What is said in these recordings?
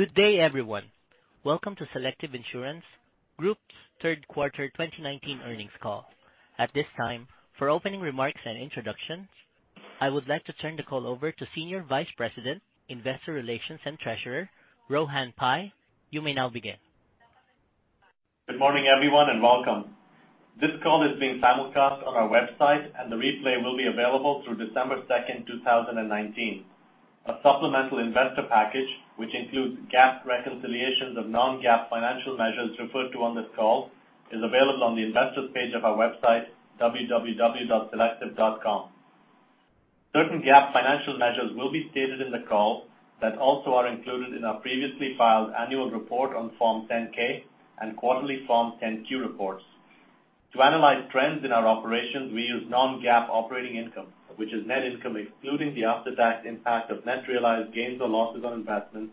Good day, everyone. Welcome to Selective Insurance Group's third quarter 2019 earnings call. At this time, for opening remarks and introductions, I would like to turn the call over to Senior Vice President, Investor Relations, and Treasurer, Rohan Pai. You may now begin. Good morning, everyone, welcome. This call is being simulcast on our website, and the replay will be available through December 2nd, 2019. A supplemental investor package, which includes GAAP reconciliations of non-GAAP financial measures referred to on this call, is available on the investor's page of our website, www.selective.com. Certain GAAP financial measures will be stated in the call that also are included in our previously filed annual report on Form 10-K and quarterly Form 10-Q reports. To analyze trends in our operations, we use non-GAAP operating income, which is net income, excluding the after-tax impact of net realized gains or losses on investments,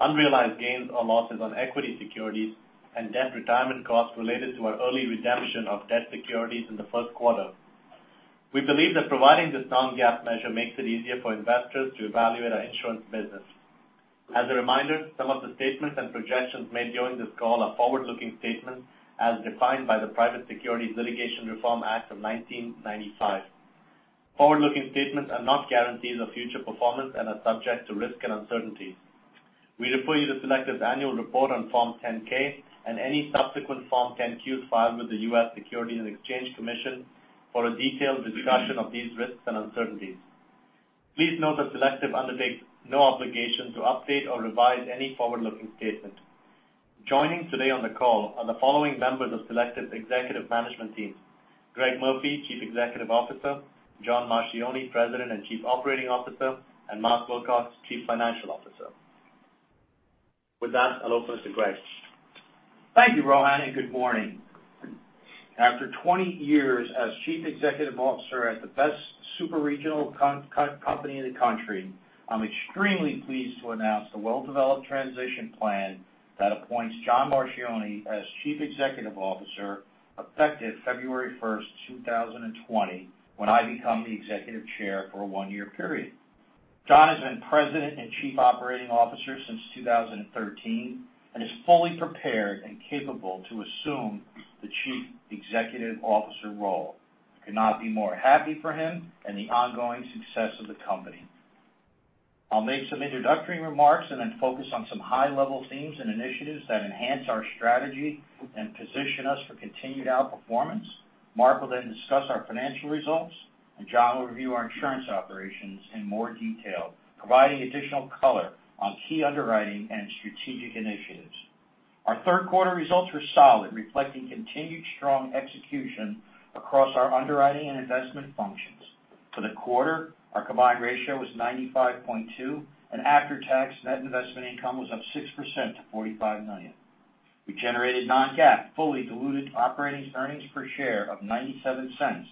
unrealized gains or losses on equity securities, and debt retirement costs related to our early redemption of debt securities in the first quarter. We believe that providing this non-GAAP measure makes it easier for investors to evaluate our insurance business. As a reminder, some of the statements and projections made during this call are forward-looking statements as defined by the Private Securities Litigation Reform Act of 1995. Forward-looking statements are not guarantees of future performance and are subject to risk and uncertainties. We refer you to Selective's annual report on Form 10-K and any subsequent Form 10-Qs filed with the U.S. Securities and Exchange Commission for a detailed discussion of these risks and uncertainties. Please note that Selective undertakes no obligation to update or revise any forward-looking statement. Joining today on the call are the following members of Selective's executive management team, Greg Murphy, Chief Executive Officer, John Marchioni, President and Chief Operating Officer, and Mark Wilcox, Chief Financial Officer. With that, I'll open to Greg. Thank you, Rohan, good morning. After 20 years as chief executive officer at the best super-regional company in the country, I'm extremely pleased to announce the well-developed transition plan that appoints John Marchioni as Chief Executive Officer effective February 1st, 2020, when I become the Executive Chair for a one-year period. John has been President and Chief Operating Officer since 2013 and is fully prepared and capable to assume the Chief Executive Officer role. I could not be more happy for him and the ongoing success of the company. I'll make some introductory remarks then focus on some high-level themes and initiatives that enhance our strategy and position us for continued outperformance. Mark will then discuss our financial results, John will review our insurance operations in more detail, providing additional color on key underwriting and strategic initiatives. Our third quarter results were solid, reflecting continued strong execution across our underwriting and investment functions. For the quarter, our combined ratio was 95.2%, and after-tax net investment income was up 6% to $45 million. We generated non-GAAP fully diluted operating earnings per share of $0.97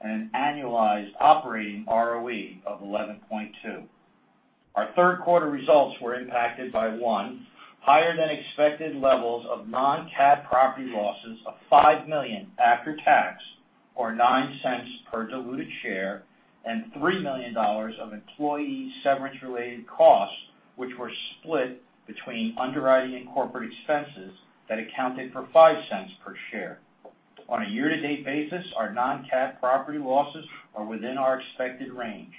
and an annualized operating ROE of 11.2%. Our third quarter results were impacted by, one, higher than expected levels of non-cat property losses of $5 million after tax, or $0.09 per diluted share, and $3 million of employee severance-related costs, which were split between underwriting and corporate expenses that accounted for $0.05 per share. On a year-to-date basis, our non-cat property losses are within our expected range.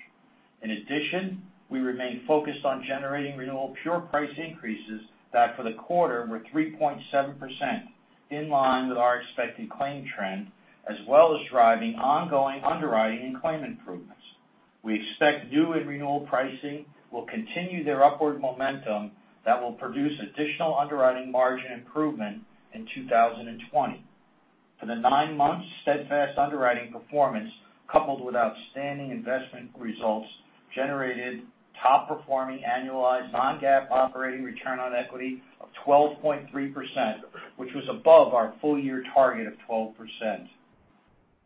In addition, we remain focused on generating renewal pure price increases that for the quarter were 3.7%, in line with our expected claim trend, as well as driving ongoing underwriting and claim improvements. We expect new and renewal pricing will continue their upward momentum that will produce additional underwriting margin improvement in 2020. For the nine months, steadfast underwriting performance, coupled with outstanding investment results, generated top-performing annualized non-GAAP operating return on equity of 12.3%, which was above our full-year target of 12%.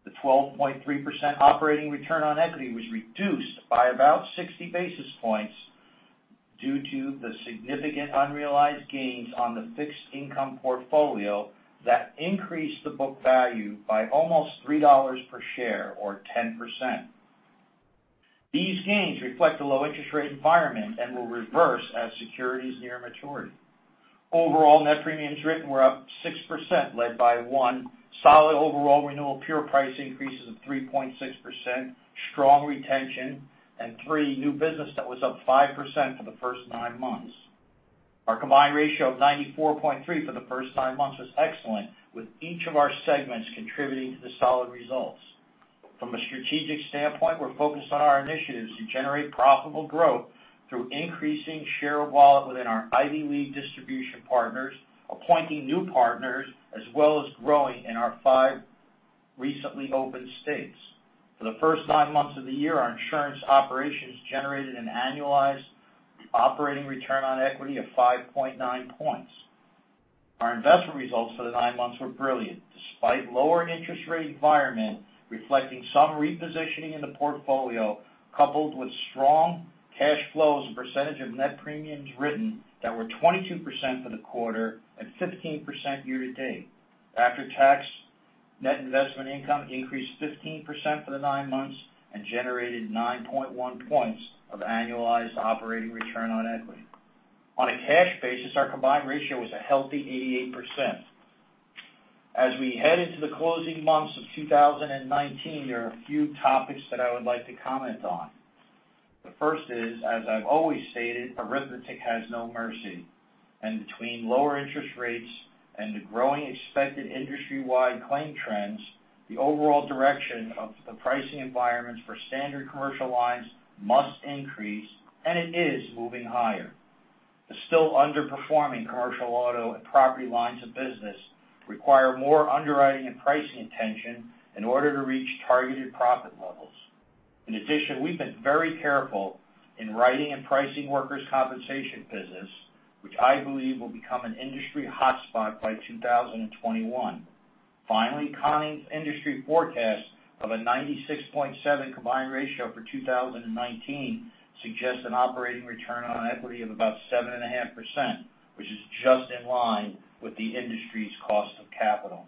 The 12.3% operating return on equity was reduced by about 60 basis points due to the significant unrealized gains on the fixed income portfolio that increased the book value by almost $3 per share or 10%. Overall net premiums written were up 6%, led by, one, solid overall renewal pure price increases of 3.6%, strong retention, and three, new business that was up 5% for the first nine months. Our combined ratio of 94.3% for the first nine months was excellent, with each of our segments contributing to the solid results. From a strategic standpoint, we're focused on our initiatives to generate profitable growth through increasing share of wallet within our Ivy League distribution partners, appointing new partners, as well as growing in our five recently opened states. For the first nine months of the year, our insurance operations generated an annualized operating return on equity of 5.9 points. Our investment results for the nine months were brilliant, despite lower interest rate environment reflecting some repositioning in the portfolio, coupled with strong cash flows percentage of net premiums written that were 22% for the quarter and 15% year-to-date. After-tax Net investment income increased 15% for the nine months and generated 9.1 points of annualized operating return on equity. On a cash basis, our combined ratio was a healthy 88%. As we head into the closing months of 2019, there are a few topics that I would like to comment on. The first is, as I've always stated, arithmetic has no mercy, between lower interest rates and the growing expected industry-wide claim trends, the overall direction of the pricing environments for Standard Commercial Lines must increase, and it is moving higher. The still underperforming Commercial Auto and Commercial Property lines of business require more underwriting and pricing attention in order to reach targeted profit levels. In addition, we've been very careful in writing and pricing Workers' Compensation business, which I believe will become an industry hotspot by 2021. Finally, Conning's industry forecast of a 96.7 combined ratio for 2019 suggests an operating return on equity of about 7.5%, which is just in line with the industry's cost of capital.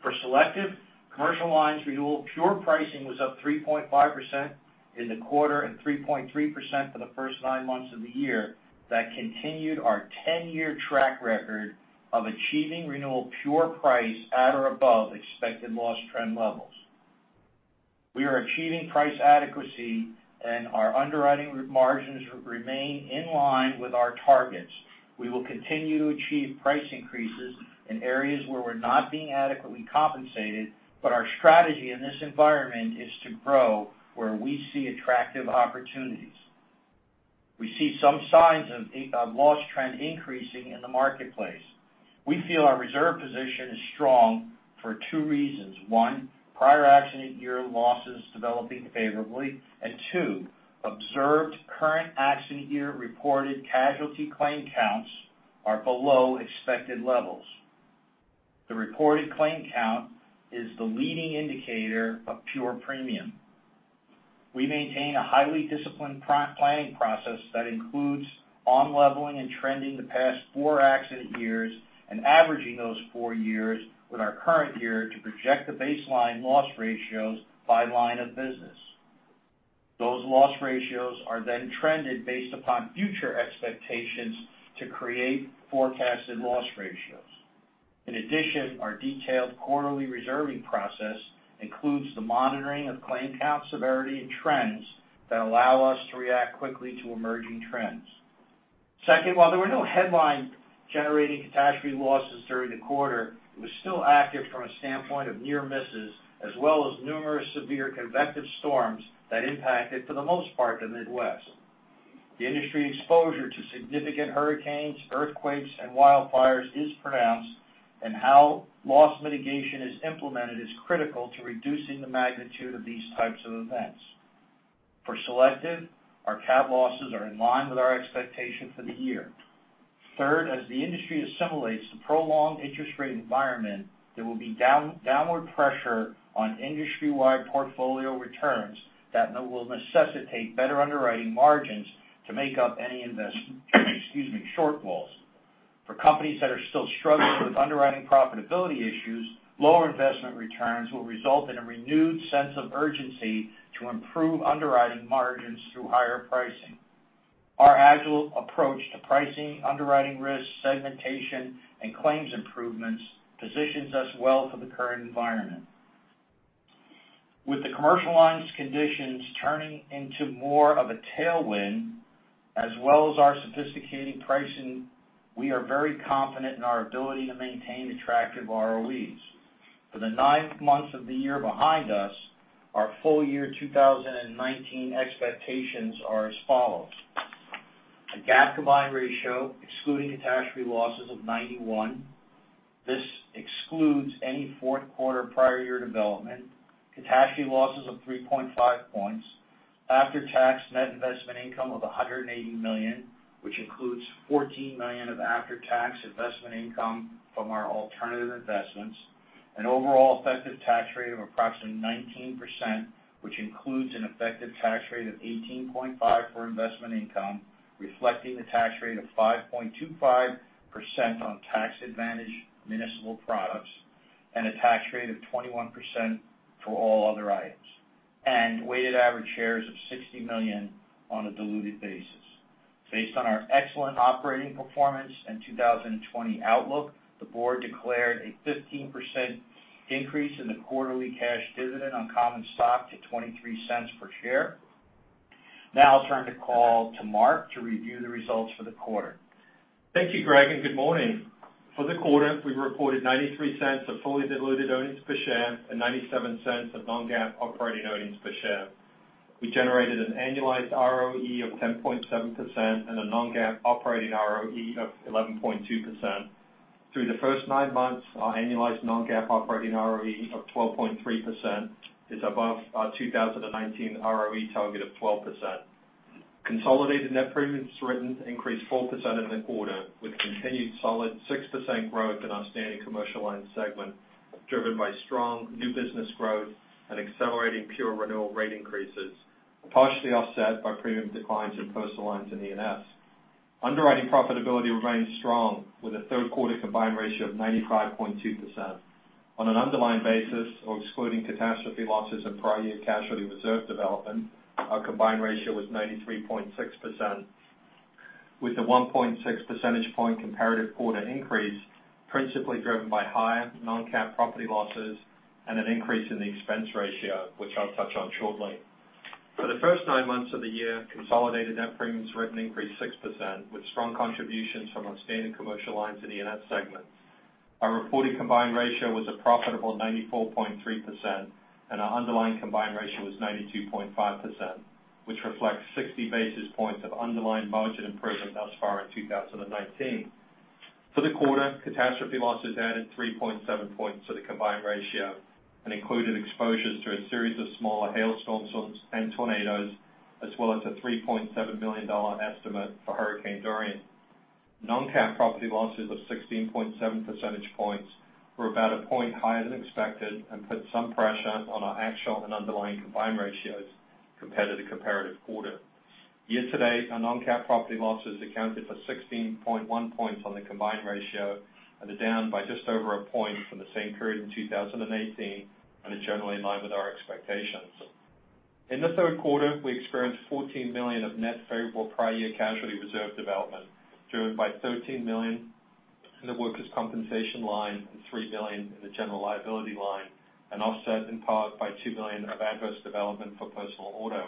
For Selective, commercial lines renewal pure pricing was up 3.5% in the quarter, 3.3% for the first nine months of the year. That continued our 10-year track record of achieving renewal pure price at or above expected loss trend levels. We are achieving price adequacy, and our underwriting margins remain in line with our targets. We will continue to achieve price increases in areas where we're not being adequately compensated, but our strategy in this environment is to grow where we see attractive opportunities. We see some signs of loss trend increasing in the marketplace. We feel our reserve position is strong for two reasons. One, prior accident year losses developing favorably. Two, observed current accident year reported casualty claim counts are below expected levels. The reported claim count is the leading indicator of pure premium. We maintain a highly disciplined planning process that includes on leveling and trending the past four accident years and averaging those four years with our current year to project the baseline loss ratios by line of business. Those loss ratios are then trended based upon future expectations to create forecasted loss ratios. In addition, our detailed quarterly reserving process includes the monitoring of claim count severity and trends that allow us to react quickly to emerging trends. Second, while there were no headline-generating catastrophe losses during the quarter, it was still active from a standpoint of near misses, as well as numerous severe convective storms that impacted, for the most part, the Midwest. The industry exposure to significant hurricanes, earthquakes, and wildfires is pronounced, and how loss mitigation is implemented is critical to reducing the magnitude of these types of events. For Selective, our CAT losses are in line with our expectation for the year. Third, as the industry assimilates the prolonged interest rate environment, there will be downward pressure on industry-wide portfolio returns that will necessitate better underwriting margins to make up any investment, excuse me, shortfalls. For companies that are still struggling with underwriting profitability issues, lower investment returns will result in a renewed sense of urgency to improve underwriting margins through higher pricing. Our agile approach to pricing, underwriting risk, segmentation, and claims improvements positions us well for the current environment. With the commercial lines conditions turning into more of a tailwind, as well as our sophisticated pricing, we are very confident in our ability to maintain attractive ROEs. For the nine months of the year behind us, our full year 2019 expectations are as follows. A GAAP combined ratio, excluding catastrophe losses of 91. This excludes any fourth quarter prior year development. Catastrophe losses of 3.5 points. After-tax net investment income of $180 million, which includes $14 million of after-tax investment income from our alternative investments. An overall effective tax rate of approximately 19%, which includes an effective tax rate of 18.5% for investment income, reflecting the tax rate of 5.25% on tax-advantaged municipal products, and a tax rate of 21% for all other items. Weighted average shares of 60 million on a diluted basis. Based on our excellent operating performance and 2020 outlook, the board declared a 15% increase in the quarterly cash dividend on common stock to $0.23 per share. Now I'll turn the call to Mark to review the results for the quarter. Thank you, Greg, and good morning. For the quarter, we reported $0.93 of fully diluted earnings per share and $0.97 of non-GAAP operating earnings per share. We generated an annualized ROE of 10.7% and a non-GAAP operating ROE of 11.2%. Through the first nine months, our annualized non-GAAP operating ROE of 12.3% is above our 2019 ROE target of 12%. Consolidated Net Premiums Written increased 4% in the quarter with continued solid 6% growth in our Standard Commercial Lines segment, driven by strong new business growth and accelerating pure renewal rate increases, partially offset by premium declines in Personal Lines and E&S. Underwriting profitability remains strong with a third quarter combined ratio of 95.2%. On an underlying basis or excluding catastrophe losses and prior year casualty reserve development, our combined ratio was 93.6%, with the 1.6 percentage point comparative quarter increase principally driven by higher non-cat property losses and an increase in the expense ratio, which I'll touch on shortly. For the first nine months of the year, Consolidated Net Premiums Written increased 6% with strong contributions from our Standard Commercial Lines in the E&S segment. Our reported combined ratio was a profitable 94.3%, and our underlying combined ratio was 92.5%, which reflects 60 basis points of underlying margin improvement thus far in 2019. For the quarter, catastrophe losses added 3.7 points to the combined ratio and included exposures to a series of smaller hail storms and tornadoes, as well as a $3.7 million estimate for Hurricane Dorian. Non-cat property losses of 16.7 percentage points were about a point higher than expected and put some pressure on our actual and underlying combined ratios compared to the comparative quarter. Year to date, our non-cat property losses accounted for 16.1 points on the combined ratio and are down by just over a point from the same period in 2018, and are generally in line with our expectations. In the third quarter, we experienced $14 million of net favorable prior year casualty reserve development, driven by $13 million in the Workers' Compensation line and $3 million in the General Liability line, and offset in part by $2 million of adverse development for personal auto.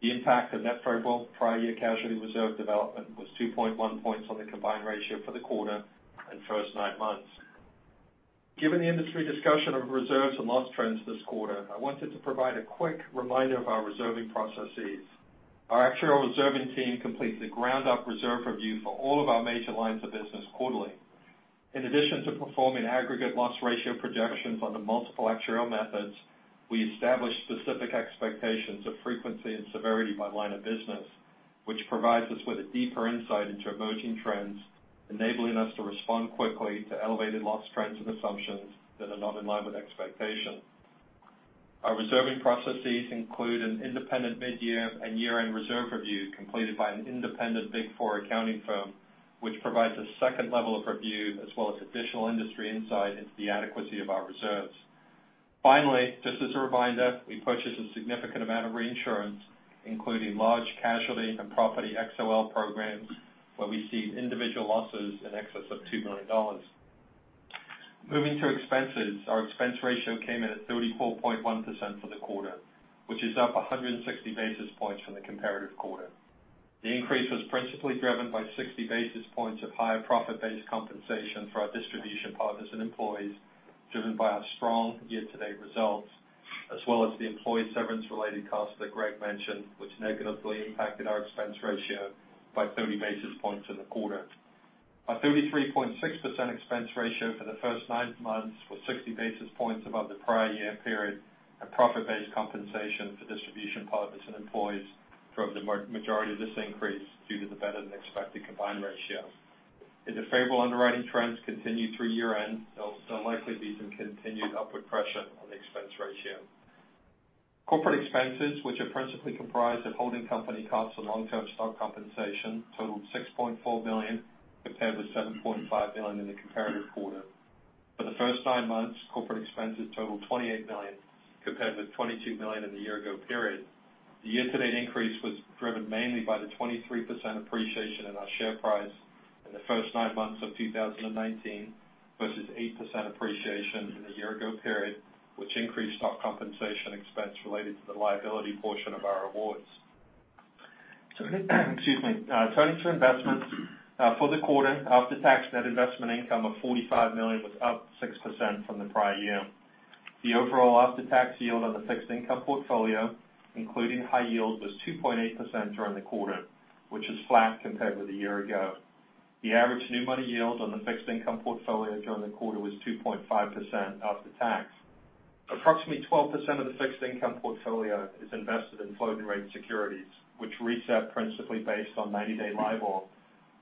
The impact of net favorable prior year casualty reserve development was 2.1 points on the combined ratio for the quarter and first nine months. Given the industry discussion of reserves and loss trends this quarter, I wanted to provide a quick reminder of our reserving processes. Our actuarial reserving team completes a ground-up reserve review for all of our major lines of business quarterly. In addition to performing aggregate loss ratio projections under multiple actuarial methods, we establish specific expectations of frequency and severity by line of business, which provides us with a deeper insight into emerging trends, enabling us to respond quickly to elevated loss trends and assumptions that are not in line with expectations. Our reserving processes include an independent mid-year and year-end reserve review completed by an independent Big Four accounting firm, which provides a second level of review as well as additional industry insight into the adequacy of our reserves. Finally, just as a reminder, we purchase a significant amount of reinsurance, including large casualty and property XOL programs, where we see individual losses in excess of $2 million. Moving to expenses, our expense ratio came in at 34.1% for the quarter, which is up 160 basis points from the comparative quarter. The increase was principally driven by 60 basis points of higher profit-based compensation for our distribution partners and employees, driven by our strong year-to-date results, as well as the employee severance related costs that Greg mentioned, which negatively impacted our expense ratio by 30 basis points in the quarter. Our 33.6% expense ratio for the first nine months was 60 basis points above the prior year period, and profit-based compensation for distribution partners and employees drove the majority of this increase due to the better-than-expected combined ratio. If the favorable underwriting trends continue through year-end, there'll likely be some continued upward pressure on the expense ratio. Corporate expenses, which are principally comprised of holding company costs and long-term stock compensation, totaled $6.4 million, compared with $7.5 million in the comparative quarter. For the first nine months, corporate expenses totaled $28 million, compared with $22 million in the year ago period. The year-to-date increase was driven mainly by the 23% appreciation in our share price in the first nine months of 2019 versus 8% appreciation in the year ago period, which increased our compensation expense related to the liability portion of our awards. Turning to investments. For the quarter, after-tax net investment income of $45 million was up 6% from the prior year. The overall after-tax yield on the fixed income portfolio, including high yield, was 2.8% during the quarter, which is flat compared with a year ago. The average new money yield on the fixed income portfolio during the quarter was 2.5% after tax. Approximately 12% of the fixed income portfolio is invested in floating rate securities, which reset principally based on 90-day LIBOR.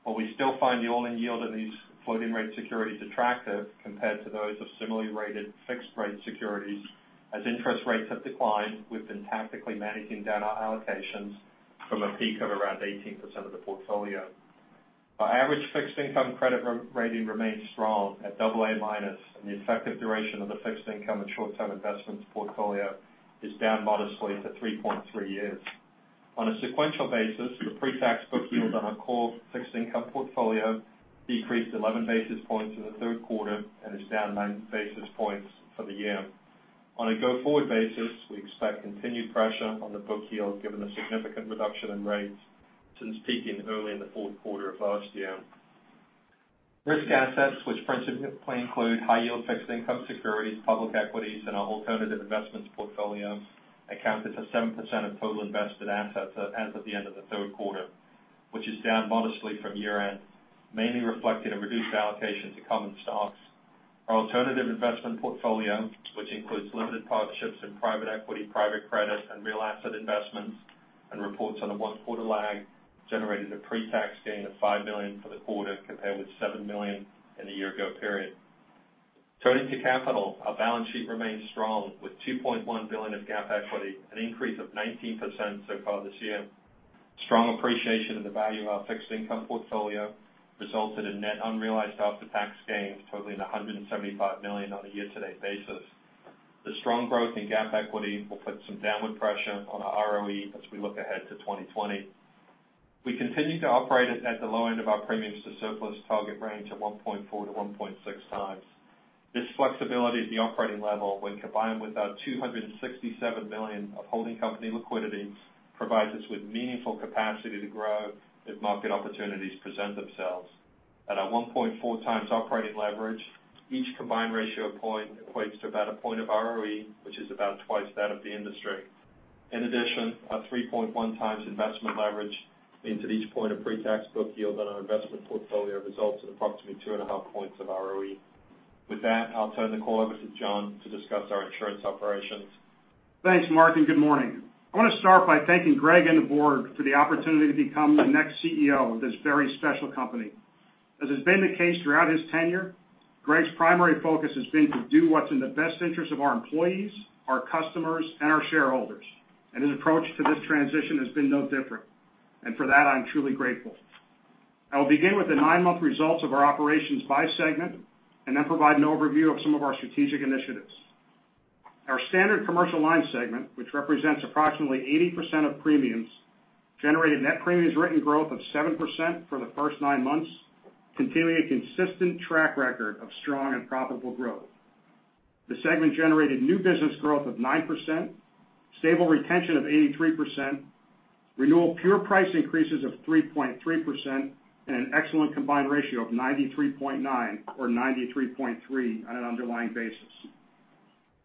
While we still find the all-in yield on these floating rate securities attractive compared to those of similarly rated fixed rate securities, as interest rates have declined, we've been tactically managing down our allocations from a peak of around 18% of the portfolio. Our average fixed income credit rating remains strong at double A minus, and the effective duration of the fixed income and short-term investments portfolio is down modestly to 3.3 years. On a sequential basis, the pre-tax book yield on our core fixed income portfolio decreased 11 basis points in the third quarter and is down nine basis points for the year. On a go-forward basis, we expect continued pressure on the book yield given the significant reduction in rates since peaking early in the fourth quarter of last year. Risk assets, which principally include high yield fixed income securities, public equities, and our alternative investments portfolio, accounted for 7% of total invested assets as of the end of the third quarter, which is down modestly from year-end, mainly reflecting a reduced allocation to common stocks. Our alternative investment portfolio, which includes limited partnerships in private equity, private credit, and real asset investments, and reports on a one-quarter lag, generated a pre-tax gain of $5 million for the quarter, compared with $7 million in the year ago period. Turning to capital, our balance sheet remains strong with $2.1 billion of GAAP equity, an increase of 19% so far this year. Strong appreciation in the value of our fixed income portfolio resulted in net unrealized after-tax gains totaling $175 million on a year-to-date basis. The strong growth in GAAP equity will put some downward pressure on our ROE as we look ahead to 2020. We continue to operate at the low end of our premiums to surplus target range of 1.4 to 1.6 times. This flexibility at the operating level, when combined with our $267 million of holding company liquidity, provides us with meaningful capacity to grow if market opportunities present themselves. At our 1.4 times operating leverage, each combined ratio point equates to about a point of ROE, which is about twice that of the industry. In addition, our 3.1 times investment leverage means that each point of pre-tax book yield on our investment portfolio results in approximately two and a half points of ROE. With that, I'll turn the call over to John to discuss our insurance operations. Thanks, Mark, and good morning. I want to start by thanking Greg and the board for the opportunity to become the next CEO of this very special company. As has been the case throughout his tenure, Greg's primary focus has been to do what's in the best interest of our employees, our customers, and our shareholders. His approach to this transition has been no different. For that, I'm truly grateful. I will begin with the nine-month results of our operations by segment, then provide an overview of some of our strategic initiatives. Our Standard Commercial Line segment, which represents approximately 80% of premiums, generated net premiums written growth of 7% for the first nine months, continuing a consistent track record of strong and profitable growth. The segment generated new business growth of 9%, stable retention of 83%, renewal pure price increases of 3.3%, an excellent combined ratio of 93.9%, or 93.3% on an underlying basis.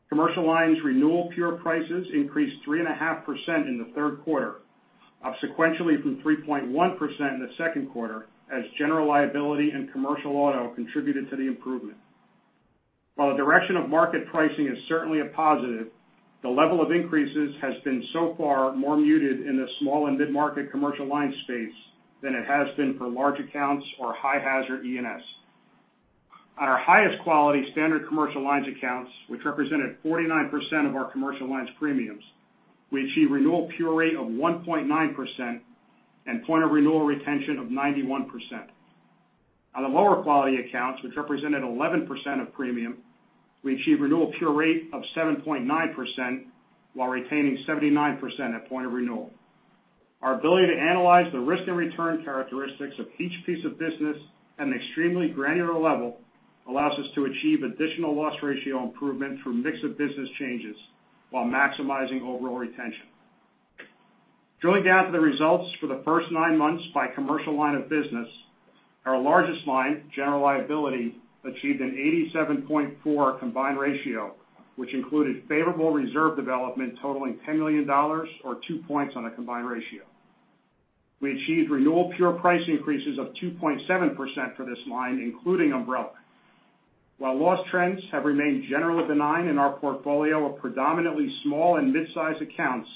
Commercial Lines renewal pure prices increased 3.5% in the third quarter, up sequentially from 3.1% in the second quarter, as General Liability and Commercial Auto contributed to the improvement. While the direction of market pricing is certainly a positive, the level of increases has been so far more muted in the small and mid-market commercial line space than it has been for large accounts or high hazard E&S. On our highest quality Standard Commercial Lines accounts, which represented 49% of our Commercial Lines premiums, we achieve renewal pure rate of 1.9% and point of renewal retention of 91%. On the lower quality accounts, which represented 11% of premium, we achieve renewal pure rate of 7.9% while retaining 79% at point of renewal. Our ability to analyze the risk and return characteristics of each piece of business at an extremely granular level allows us to achieve additional loss ratio improvement through mix of business changes while maximizing overall retention. Drilling down to the results for the first nine months by commercial line of business, our largest line, General Liability, achieved an 87.4 combined ratio, which included favorable reserve development totaling $10 million or two points on a combined ratio. We achieved renewal pure price increases of 2.7% for this line, including umbrella. While loss trends have remained generally benign in our portfolio of predominantly small and mid-size accounts,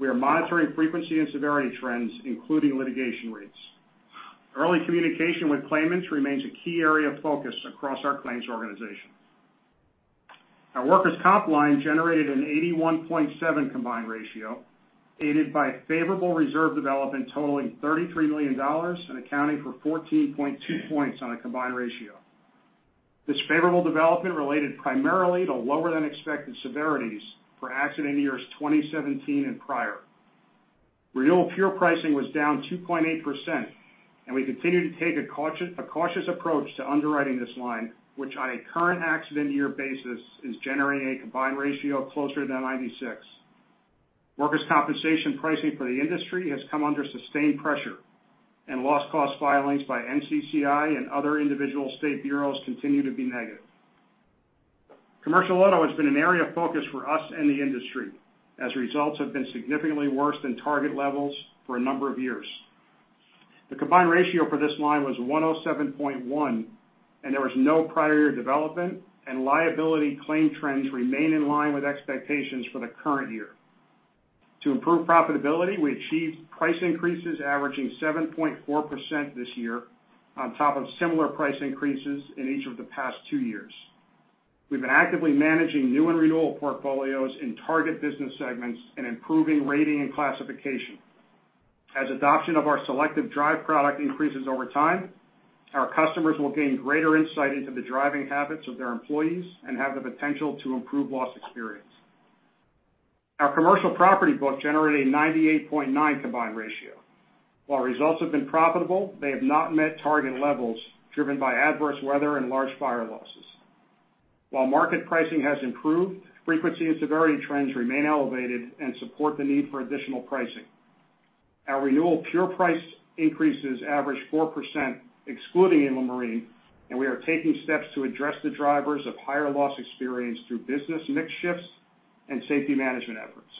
we are monitoring frequency and severity trends, including litigation rates. Early communication with claimants remains a key area of focus across our claims organization. Our Workers' Comp line generated an 81.7 combined ratio, aided by favorable reserve development totaling $33 million and accounting for 14.2 points on a combined ratio. This favorable development related primarily to lower than expected severities for accident years 2017 and prior. Renewal pure pricing was down 2.8%. We continue to take a cautious approach to underwriting this line, which on a current accident year basis is generating a combined ratio of closer to 96. Workers' Compensation pricing for the industry has come under sustained pressure and loss cost filings by NCCI and other individual state bureaus continue to be negative. Commercial Auto has been an area of focus for us and the industry as results have been significantly worse than target levels for a number of years. The combined ratio for this line was 107.1. There was no prior year development. Liability claim trends remain in line with expectations for the current year. To improve profitability, we achieved price increases averaging 7.4% this year on top of similar price increases in each of the past two years. We've been actively managing new and renewal portfolios in target business segments and improving rating and classification. As adoption of our Selective Drive product increases over time, our customers will gain greater insight into the driving habits of their employees and have the potential to improve loss experience. Our Commercial Property book generated a 98.9 combined ratio. While results have been profitable, they have not met target levels driven by adverse weather and large fire losses. While market pricing has improved, frequency and severity trends remain elevated and support the need for additional pricing. Our renewal pure price increases average 4%, excluding inland marine. We are taking steps to address the drivers of higher loss experience through business mix shifts and safety management efforts.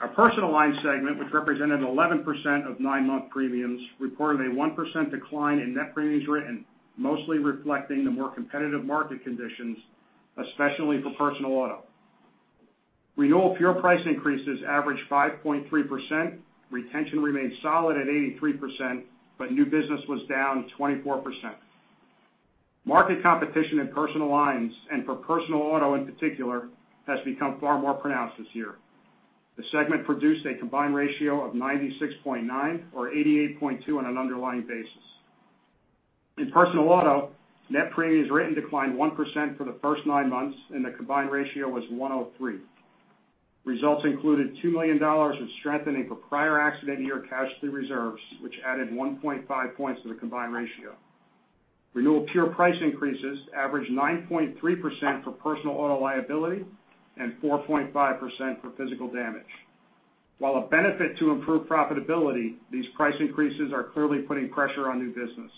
Our Personal Lines segment, which represented 11% of nine-month premiums, reported a 1% decline in Net Premiums Written, mostly reflecting the more competitive market conditions, especially for personal auto. Renewal pure price increases averaged 5.3%, retention remained solid at 83%. New business was down 24%. Market competition in personal lines, and for personal auto in particular, has become far more pronounced this year. The segment produced a combined ratio of 96.9 or 88.2 on an underlying basis. In personal auto, Net Premiums Written declined 1% for the first nine months. The combined ratio was 103. Results included $2 million in strengthening for prior accident year casualty reserves, which added 1.5 points to the combined ratio. Renewal pure price increases averaged 9.3% for personal auto liability and 4.5% for physical damage. While a benefit to improve profitability, these price increases are clearly putting pressure on new business.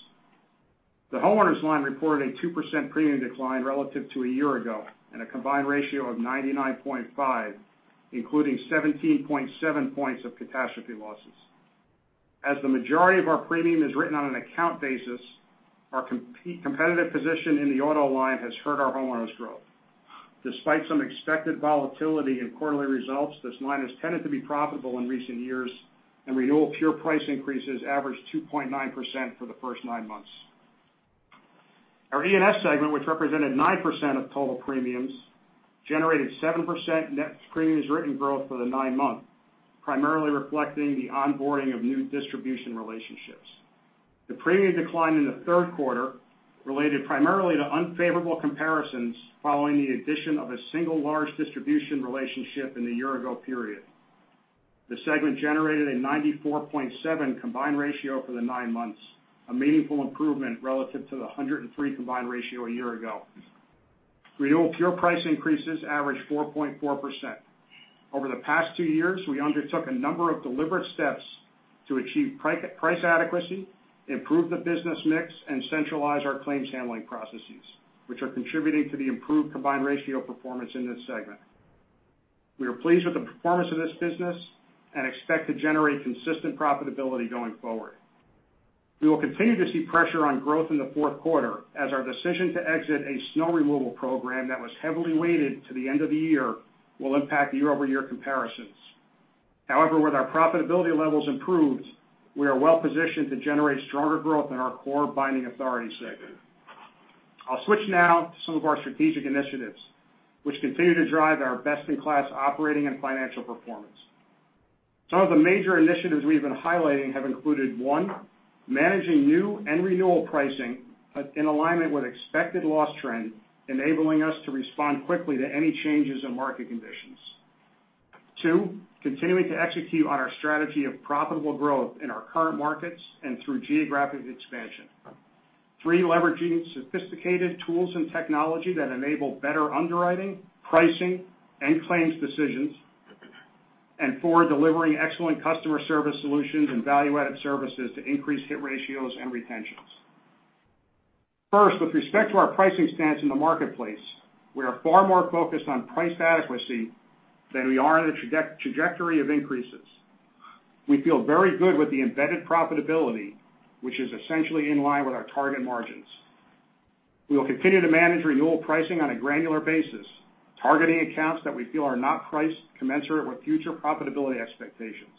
The homeowners line reported a 2% premium decline relative to a year ago and a combined ratio of 99.5, including 17.7 points of catastrophe losses. As the majority of our premium is written on an account basis, our competitive position in the auto line has hurt our homeowners' growth. Despite some expected volatility in quarterly results, this line has tended to be profitable in recent years, and renewal pure price increases averaged 2.9% for the first nine months. Our E&S segment, which represented 9% of total premiums, generated 7% NPW growth for the nine months, primarily reflecting the onboarding of new distribution relationships. The premium decline in the third quarter related primarily to unfavorable comparisons following the addition of a single large distribution relationship in the year-ago period. The segment generated a 94.7 combined ratio for the nine months, a meaningful improvement relative to the 103 combined ratio a year ago. Renewal pure price increases averaged 4.4%. Over the past two years, we undertook a number of deliberate steps to achieve price adequacy, improve the business mix, and centralize our claims handling processes, which are contributing to the improved combined ratio performance in this segment. We are pleased with the performance of this business and expect to generate consistent profitability going forward. We will continue to see pressure on growth in the fourth quarter as our decision to exit a snow removal program that was heavily weighted to the end of the year will impact year-over-year comparisons. However, with our profitability levels improved, we are well-positioned to generate stronger growth in our core binding authority segment. I'll switch now to some of our strategic initiatives, which continue to drive our best-in-class operating and financial performance. Some of the major initiatives we've been highlighting have included, one, managing new and renewal pricing in alignment with expected loss trend, enabling us to respond quickly to any changes in market conditions. two, continuing to execute on our strategy of profitable growth in our current markets and through geographic expansion. three, leveraging sophisticated tools and technology that enable better underwriting, pricing, and claims decisions. four, delivering excellent customer service solutions and value-added services to increase hit ratios and retentions. First, with respect to our pricing stance in the marketplace, we are far more focused on price adequacy than we are on the trajectory of increases. We feel very good with the embedded profitability, which is essentially in line with our target margins. We will continue to manage renewal pricing on a granular basis, targeting accounts that we feel are not priced commensurate with future profitability expectations.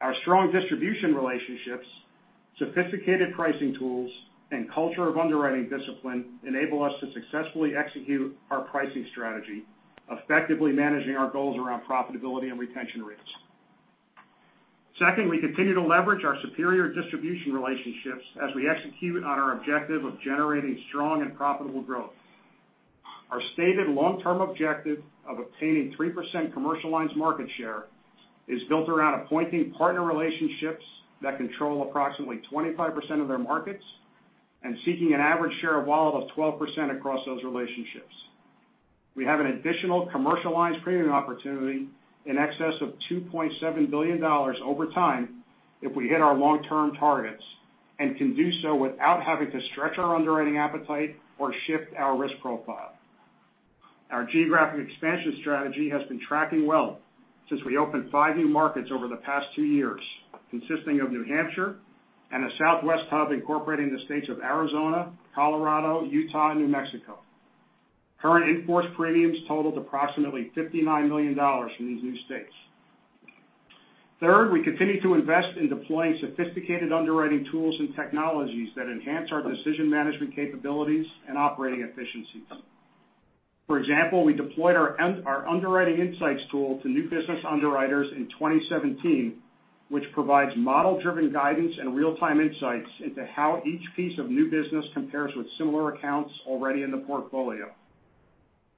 Our strong distribution relationships, sophisticated pricing tools, and culture of underwriting discipline enable us to successfully execute our pricing strategy, effectively managing our goals around profitability and retention rates. Second, we continue to leverage our superior distribution relationships as we execute on our objective of generating strong and profitable growth. Our stated long-term objective of obtaining 3% commercial lines market share is built around appointing partner relationships that control approximately 25% of their markets and seeking an average share of wallet of 12% across those relationships. We have an additional commercial lines premium opportunity in excess of $2.7 billion over time if we hit our long-term targets and can do so without having to stretch our underwriting appetite or shift our risk profile. Our geographic expansion strategy has been tracking well since we opened five new markets over the past two years, consisting of New Hampshire and a Southwest hub incorporating the states of Arizona, Colorado, Utah, and New Mexico. Current in-force premiums totaled approximately $59 million from these new states. Third, we continue to invest in deploying sophisticated underwriting tools and technologies that enhance our decision management capabilities and operating efficiencies. For example, we deployed our Underwriting Insights tool to new business underwriters in 2017, which provides model-driven guidance and real-time insights into how each piece of new business compares with similar accounts already in the portfolio.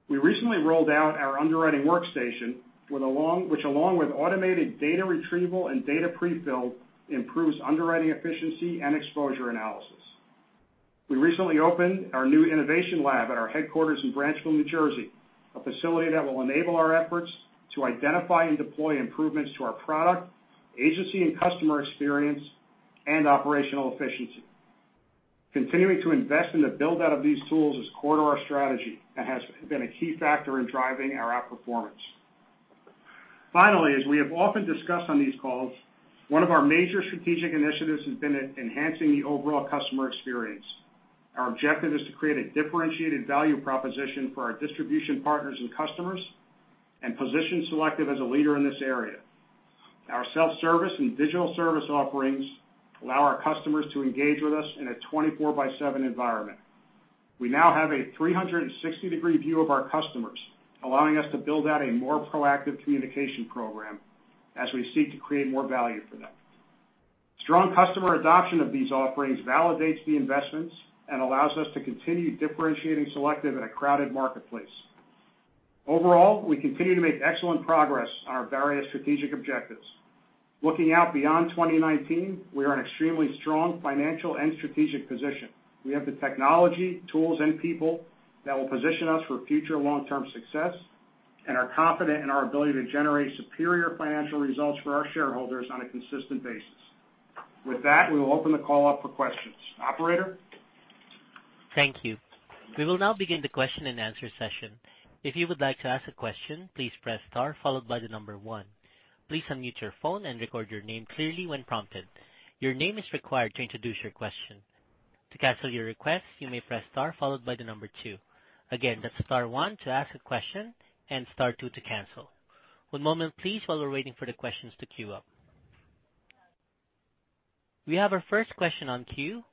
We recently rolled out our underwriting workstation, which along with automated data retrieval and data prefill, improves underwriting efficiency and exposure analysis. We recently opened our new innovation lab at our headquarters in Branchville, New Jersey, a facility that will enable our efforts to identify and deploy improvements to our product, agency and customer experience, and operational efficiency. Continuing to invest in the build-out of these tools is core to our strategy and has been a key factor in driving our outperformance. Finally, as we have often discussed on these calls, one of our major strategic initiatives has been enhancing the overall customer experience. Our objective is to create a differentiated value proposition for our distribution partners and customers and position Selective as a leader in this area. Our self-service and digital service offerings allow our customers to engage with us in a 24 by seven environment. We now have a 360-degree view of our customers, allowing us to build out a more proactive communication program as we seek to create more value for them. Strong customer adoption of these offerings validates the investments and allows us to continue differentiating Selective in a crowded marketplace. Overall, we continue to make excellent progress on our various strategic objectives. Looking out beyond 2019, we are in extremely strong financial and strategic position. We have the technology, tools, and people that will position us for future long-term success and are confident in our ability to generate superior financial results for our shareholders on a consistent basis. With that, we will open the call up for questions. Operator? Thank you. We will now begin the question and answer session. If you would like to ask a question, please press star followed by the number one. Please unmute your phone and record your name clearly when prompted. Your name is required to introduce your question. To cancel your request, you may press star followed by the number two. Again, that's star one to ask a question and star two to cancel. One moment please while we're waiting for the questions to queue up. We have our first question on queue.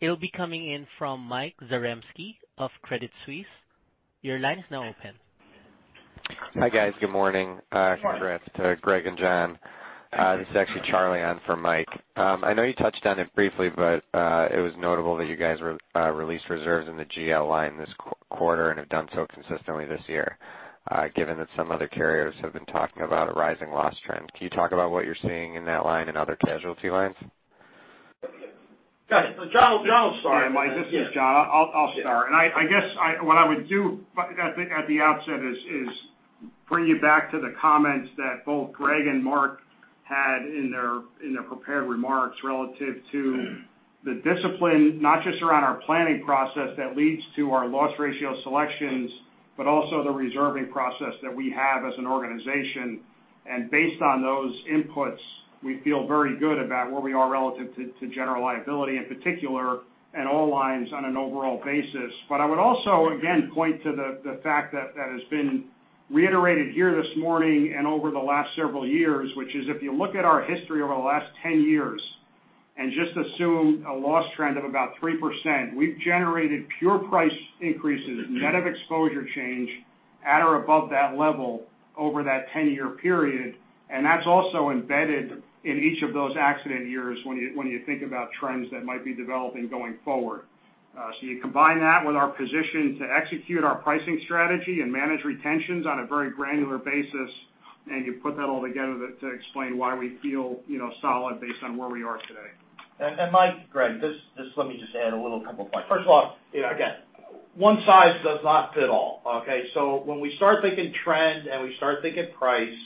It will be coming in from Michael Zaremski of Credit Suisse. Your line is now open. Hi, guys. Good morning. Morning. Congrats to Greg and John. This is actually Charlie on for Mike. I know you touched on it briefly, but it was notable that you guys released reserves in the GL line this quarter and have done so consistently this year, given that some other carriers have been talking about a rising loss trend. Can you talk about what you're seeing in that line and other casualty lines? Got you. John will start. Yeah. Mike, this is John. I'll start. I guess what I would do, I think at the outset is bring you back to the comments that both Greg and Mark had in their prepared remarks relative to the discipline, not just around our planning process that leads to our loss ratio selections, but also the reserving process that we have as an organization. Based on those inputs, we feel very good about where we are relative to general liability in particular and all lines on an overall basis. I would also again, point to the fact that that has been reiterated here this morning and over the last several years, which is if you look at our history over the last 10 years and just assume a loss trend of about 3%, we've generated pure price increases net of exposure change at or above that level over that 10-year period, and that's also embedded in each of those accident years when you think about trends that might be developing going forward. You combine that with our position to execute our pricing strategy and manage retentions on a very granular basis, and you put that all together to explain why we feel solid based on where we are today. Mike, Greg, let me just add a little couple points. First of all, again, one size does not fit all, okay? When we start thinking trend and we start thinking price,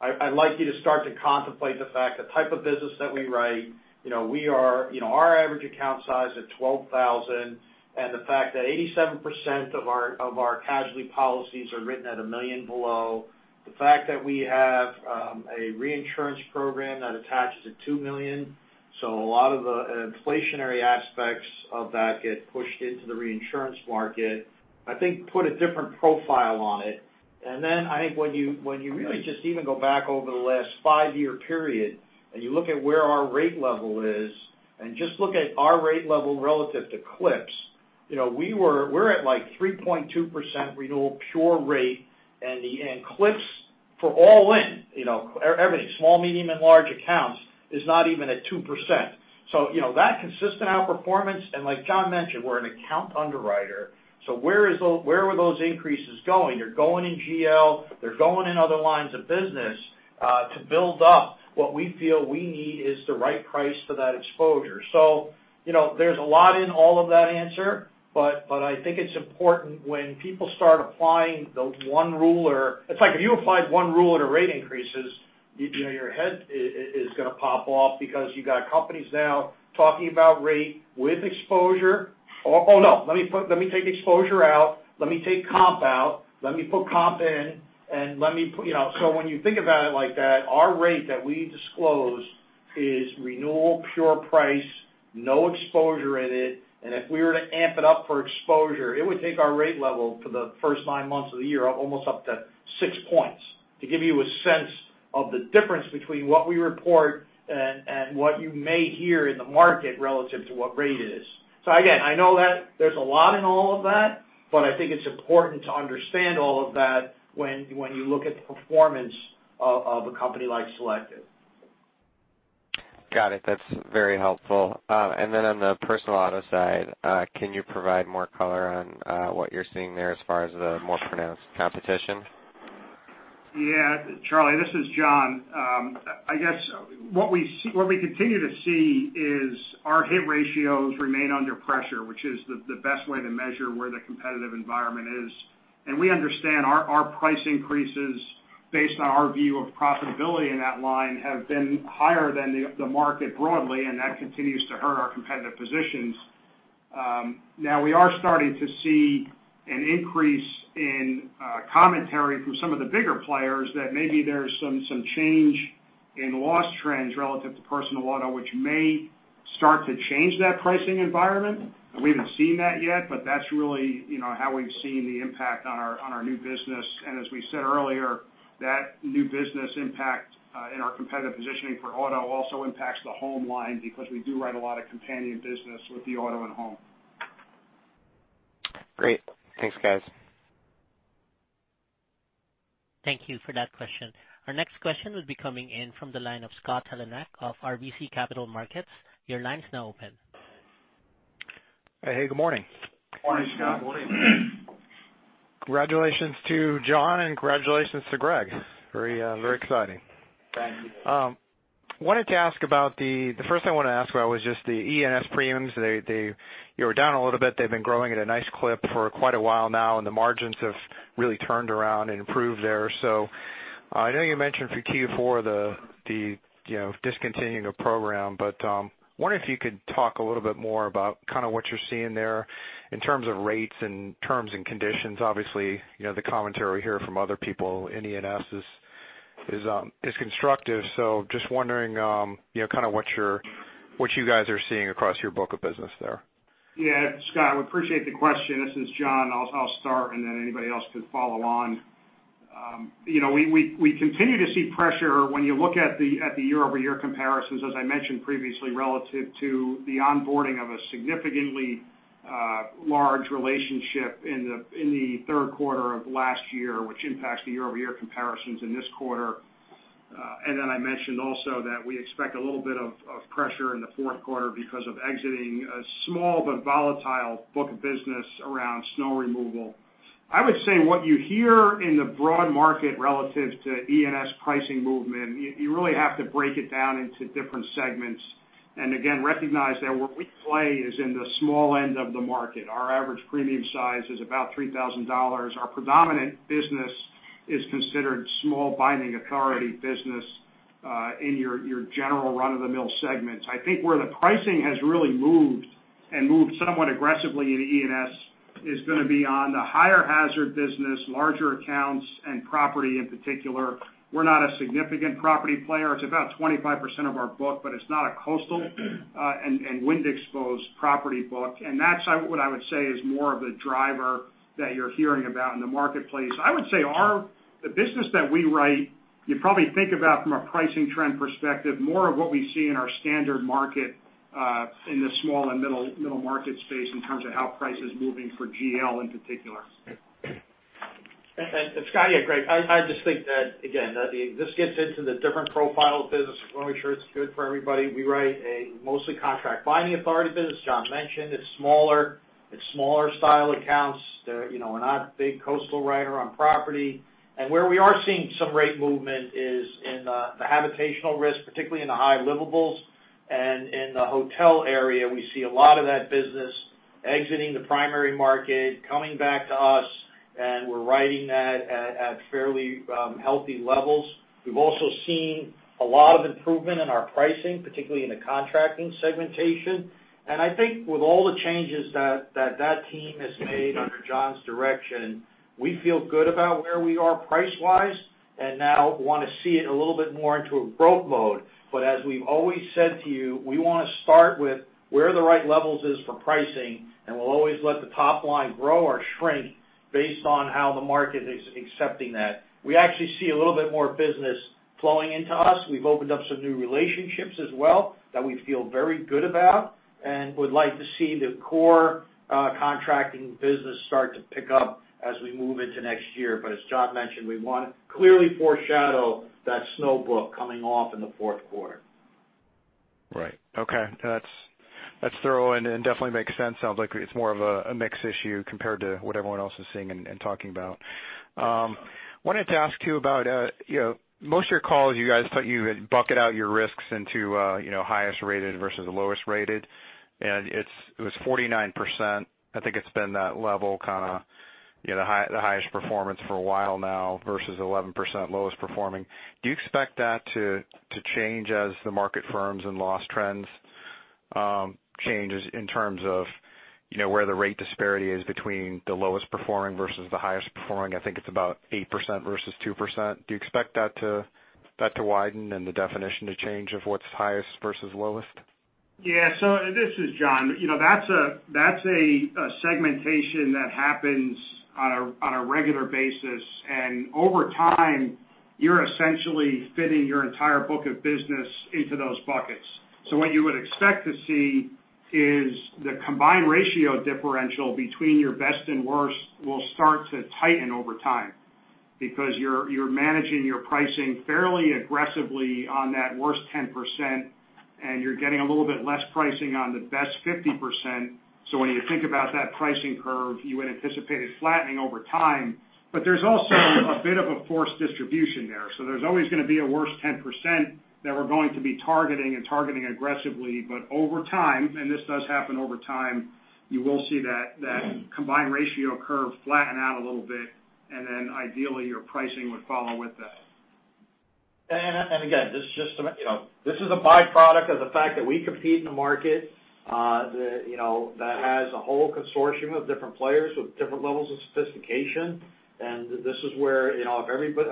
I'd like you to start to contemplate the fact the type of business that we write, our average account size at $12,000 and the fact that 87% of our casualty policies are written at $1 million below. The fact that we have a reinsurance program that attaches at $2 million, so a lot of the inflationary aspects of that get pushed into the reinsurance market, I think put a different profile on it. When you really just even go back over the last 5-year period and you look at where our rate level is and just look at our rate level relative to CLIPS, we're at like 3.2% renewal pure rate and CLIPS for all in, everything, small, medium, and large accounts is not even at 2%. That consistent outperformance, and like John mentioned, we're an account underwriter. Where were those increases going? They're going in GL, they're going in other lines of business, to build up what we feel we need is the right price for that exposure. There's a lot in all of that answer, but I think it's important when people start applying the 1 rule or it's like if you applied 1 rule to rate increases, your head is going to pop off because you got companies now talking about rate with exposure. Oh, no, let me take exposure out. Let me take comp out. Let me put comp in. When you think about it like that, our rate that we disclose is renewal, pure price, no exposure in it. If we were to amp it up for exposure, it would take our rate level for the first 9 months of the year almost up to 6 points. To give you a sense of the difference between what we report and what you may hear in the market relative to what rate is. Again, I know that there's a lot in all of that, but I think it's important to understand all of that when you look at the performance of a company like Selective. Got it. That's very helpful. On the personal auto side, can you provide more color on what you're seeing there as far as the more pronounced competition? Yeah. Charlie, this is John. I guess what we continue to see is our hit ratios remain under pressure, which is the best way to measure where the competitive environment is. We understand our price increases based on our view of profitability in that line have been higher than the market broadly, and that continues to hurt our competitive positions. We are starting to see an increase in commentary from some of the bigger players that maybe there's some change in loss trends relative to personal auto, which may start to change that pricing environment. We haven't seen that yet, but that's really how we've seen the impact on our new business. As we said earlier, that new business impact in our competitive positioning for auto also impacts the home line because we do write a lot of companion business with the auto and home. Great. Thanks, guys. Thank you for that question. Our next question will be coming in from the line of Scott Heleniak of RBC Capital Markets. Your line is now open. Hey, good morning. Morning, Scott. Morning. Congratulations to John, and congratulations to Greg. Very exciting. Thank you. The first thing I want to ask about was just the E&S premiums. You were down a little bit. They've been growing at a nice clip for quite a while now, and the margins have really turned around and improved there. I know you mentioned for Q4 the discontinuing of program, but wondering if you could talk a little bit more about what you're seeing there in terms of rates and terms and conditions. Obviously, the commentary we hear from other people in E&S is constructive. Just wondering what you guys are seeing across your book of business there. Scott, we appreciate the question. This is John. I will start and then anybody else can follow on. We continue to see pressure when you look at the year-over-year comparisons, as I mentioned previously, relative to the onboarding of a significantly large relationship in the third quarter of last year, which impacts the year-over-year comparisons in this quarter. I mentioned also that we expect a little bit of pressure in the fourth quarter because of exiting a small but volatile book of business around snow removal. I would say what you hear in the broad market relative to E&S pricing movement, you really have to break it down into different segments. Again, recognize that where we play is in the small end of the market. Our average premium size is about $3,000. Our predominant business is considered small binding authority business in your general run-of-the-mill segments. I think where the pricing has really moved, and moved somewhat aggressively into E&S, is going to be on the higher hazard business, larger accounts, and property in particular. We are not a significant property player. It is about 25% of our book, but it is not a coastal and wind exposed property book. That is what I would say is more of the driver that you are hearing about in the marketplace. I would say the business that we write, you probably think about from a pricing trend perspective, more of what we see in our standard market, in the small and middle market space in terms of how price is moving for GL in particular. Scott, Greg, I just think that, again, this gets into the different profile of business. Want to make sure it is good for everybody. We write a mostly contract binding authority business. John mentioned it is smaller style accounts. We are not a big coastal writer on property. Where we are seeing some rate movement is in the habitational risk, particularly in the high livables and in the hotel area. We see a lot of that business exiting the primary market, coming back to us, and we are writing that at fairly healthy levels. We have also seen a lot of improvement in our pricing, particularly in the contracting segmentation. I think with all the changes that that team has made under John's direction, we feel good about where we are price-wise and now want to see it a little bit more into a growth mode. As we have always said to you, we want to start with where the right levels is for pricing, and we will always let the top line grow or shrink based on how the market is accepting that. We actually see a little bit more business flowing into us. We have opened up some new relationships as well that we feel very good about and would like to see the core contracting business start to pick up as we move into next year. As John mentioned, we want to clearly foreshadow that snow book coming off in the fourth quarter. Right. Okay. That's thorough and definitely makes sense. Sounds like it's more of a mix issue compared to what everyone else is seeing and talking about. Wanted to ask you about, most of your calls, you guys thought you had bucketed out your risks into highest rated versus the lowest rated, and it was 49%. I think it's been that level, the highest performance for a while now versus 11% lowest performing. Do you expect that to change as the market firms and loss trends changes in terms of where the rate disparity is between the lowest performing versus the highest performing? I think it's about 8% versus 2%. Do you expect that to widen and the definition to change of what's highest versus lowest? Yeah. This is John. That's a segmentation that happens on a regular basis, and over time, you're essentially fitting your entire book of business into those buckets. What you would expect to see is the combined ratio differential between your best and worst will start to tighten over time because you're managing your pricing fairly aggressively on that worst 10%, and you're getting a little bit less pricing on the best 50%. When you think about that pricing curve, you would anticipate it flattening over time. There's also a bit of a forced distribution there. There's always going to be a worst 10% that we're going to be targeting and targeting aggressively. Over time, and this does happen over time, you will see that combined ratio curve flatten out a little bit, and then ideally, your pricing would follow with that. Again, this is a byproduct of the fact that we compete in a market that has a whole consortium of different players with different levels of sophistication. This is where if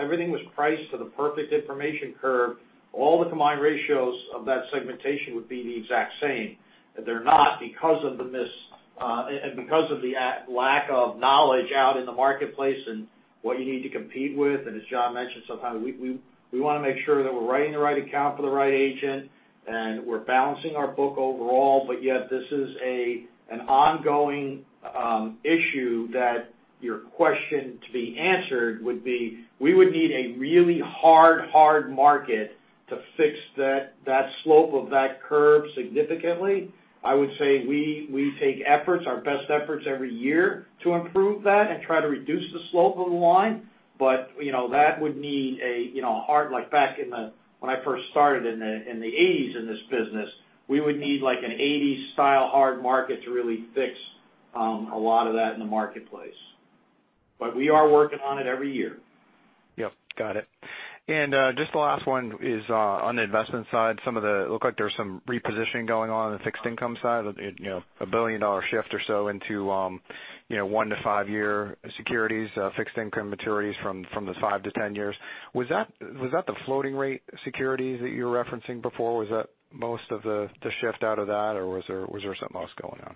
everything was priced to the perfect information curve, all the combined ratios of that segmentation would be the exact same. They're not because of the lack of knowledge out in the marketplace and what you need to compete with. As John mentioned, sometimes we want to make sure that we're writing the right account for the right agent, and we're balancing our book overall. Yet this is an ongoing issue that your question to be answered would be, we would need a really hard market to fix that slope of that curve significantly. I would say we take our best efforts every year to improve that and try to reduce the slope of the line. That would need a hard like back when I first started in the 1980s in this business, we would need like a 1980s style hard market to really fix a lot of that in the marketplace. We are working on it every year. Yep, got it. Just the last one is on the investment side. Looks like there's some repositioning going on in the fixed income side, a $1 billion-dollar shift or so into 1-5 year securities fixed income maturities from the 5-10 years. Was that the floating rate securities that you were referencing before? Was that most of the shift out of that, or was there something else going on?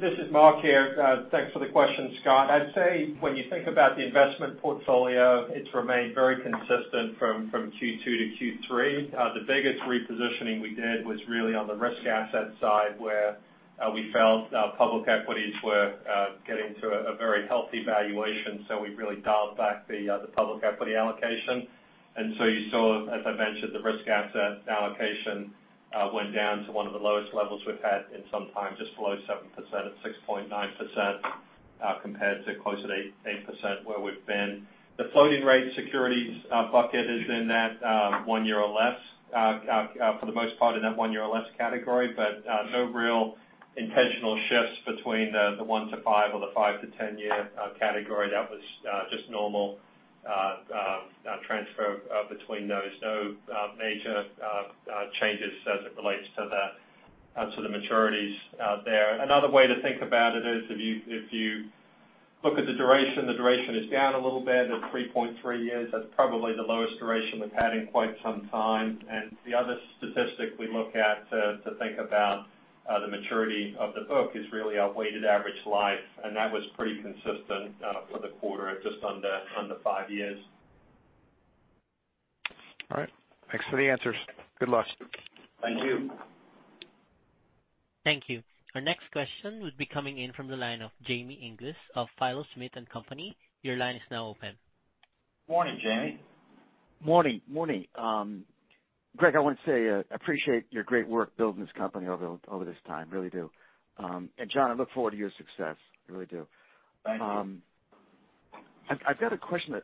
This is Mark here. Thanks for the question, Scott. I'd say when you think about the investment portfolio, it's remained very consistent from Q2 to Q3. The biggest repositioning we did was really on the risk asset side, where we felt our public equities were getting to a very healthy valuation, so we really dialed back the public equity allocation. You saw, as I mentioned, the risk asset allocation went down to one of the lowest levels we've had in some time, just below 7% at 6.9%, compared to close to 8% where we've been. The floating rate securities bucket is for the most part in that one year or less category, but no real intentional shifts between the 1-5 or the 5-10 year category. That was just normal transfer between those. No major changes as it relates to the maturities there. Another way to think about it is if you look at the duration, the duration is down a little bit at 3.3 years. That's probably the lowest duration we've had in quite some time. The other statistic we look at to think about the maturity of the book is really our weighted average life, and that was pretty consistent for the quarter at just under five years. All right. Thanks for the answers. Good luck. Thank you. Thank you. Our next question would be coming in from the line of Jamie Inglis of PhiloSmith & Company. Your line is now open. Morning, Jamie. Morning. Greg, I want to say appreciate your great work building this company over this time, really do. John, I look forward to your success. Really do. Thank you. Two questions.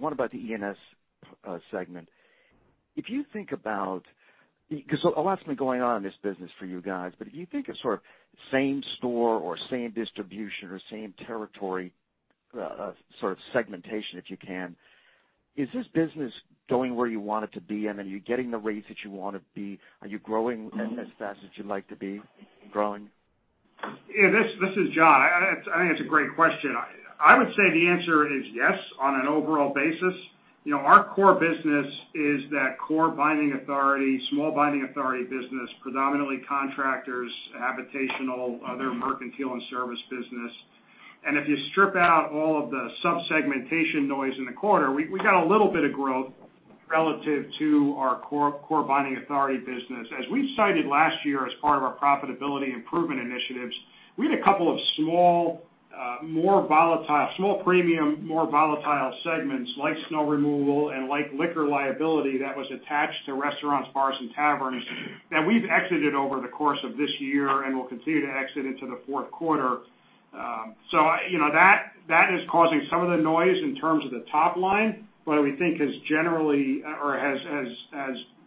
One about the E&S segment. A lot's been going on in this business for you guys, but if you think of same store or same distribution or same territory sort of segmentation, if you can, is this business going where you want it to be? Are you getting the rates that you want to be? Are you growing as fast as you'd like to be growing? Yeah, this is John. I think it's a great question. I would say the answer is yes on an overall basis. Our core business is that core binding authority, small binding authority business, predominantly contractors, habitational, other mercantile and service business. If you strip out all of the sub-segmentation noise in the quarter, we got a little bit of growth relative to our core binding authority business. As we've cited last year as part of our profitability improvement initiatives, we had a couple of small premium, more volatile segments like snow removal and liquor liability that was attached to restaurants, bars, and taverns that we've exited over the course of this year and will continue to exit into the fourth quarter. That is causing some of the noise in terms of the top line, but we think has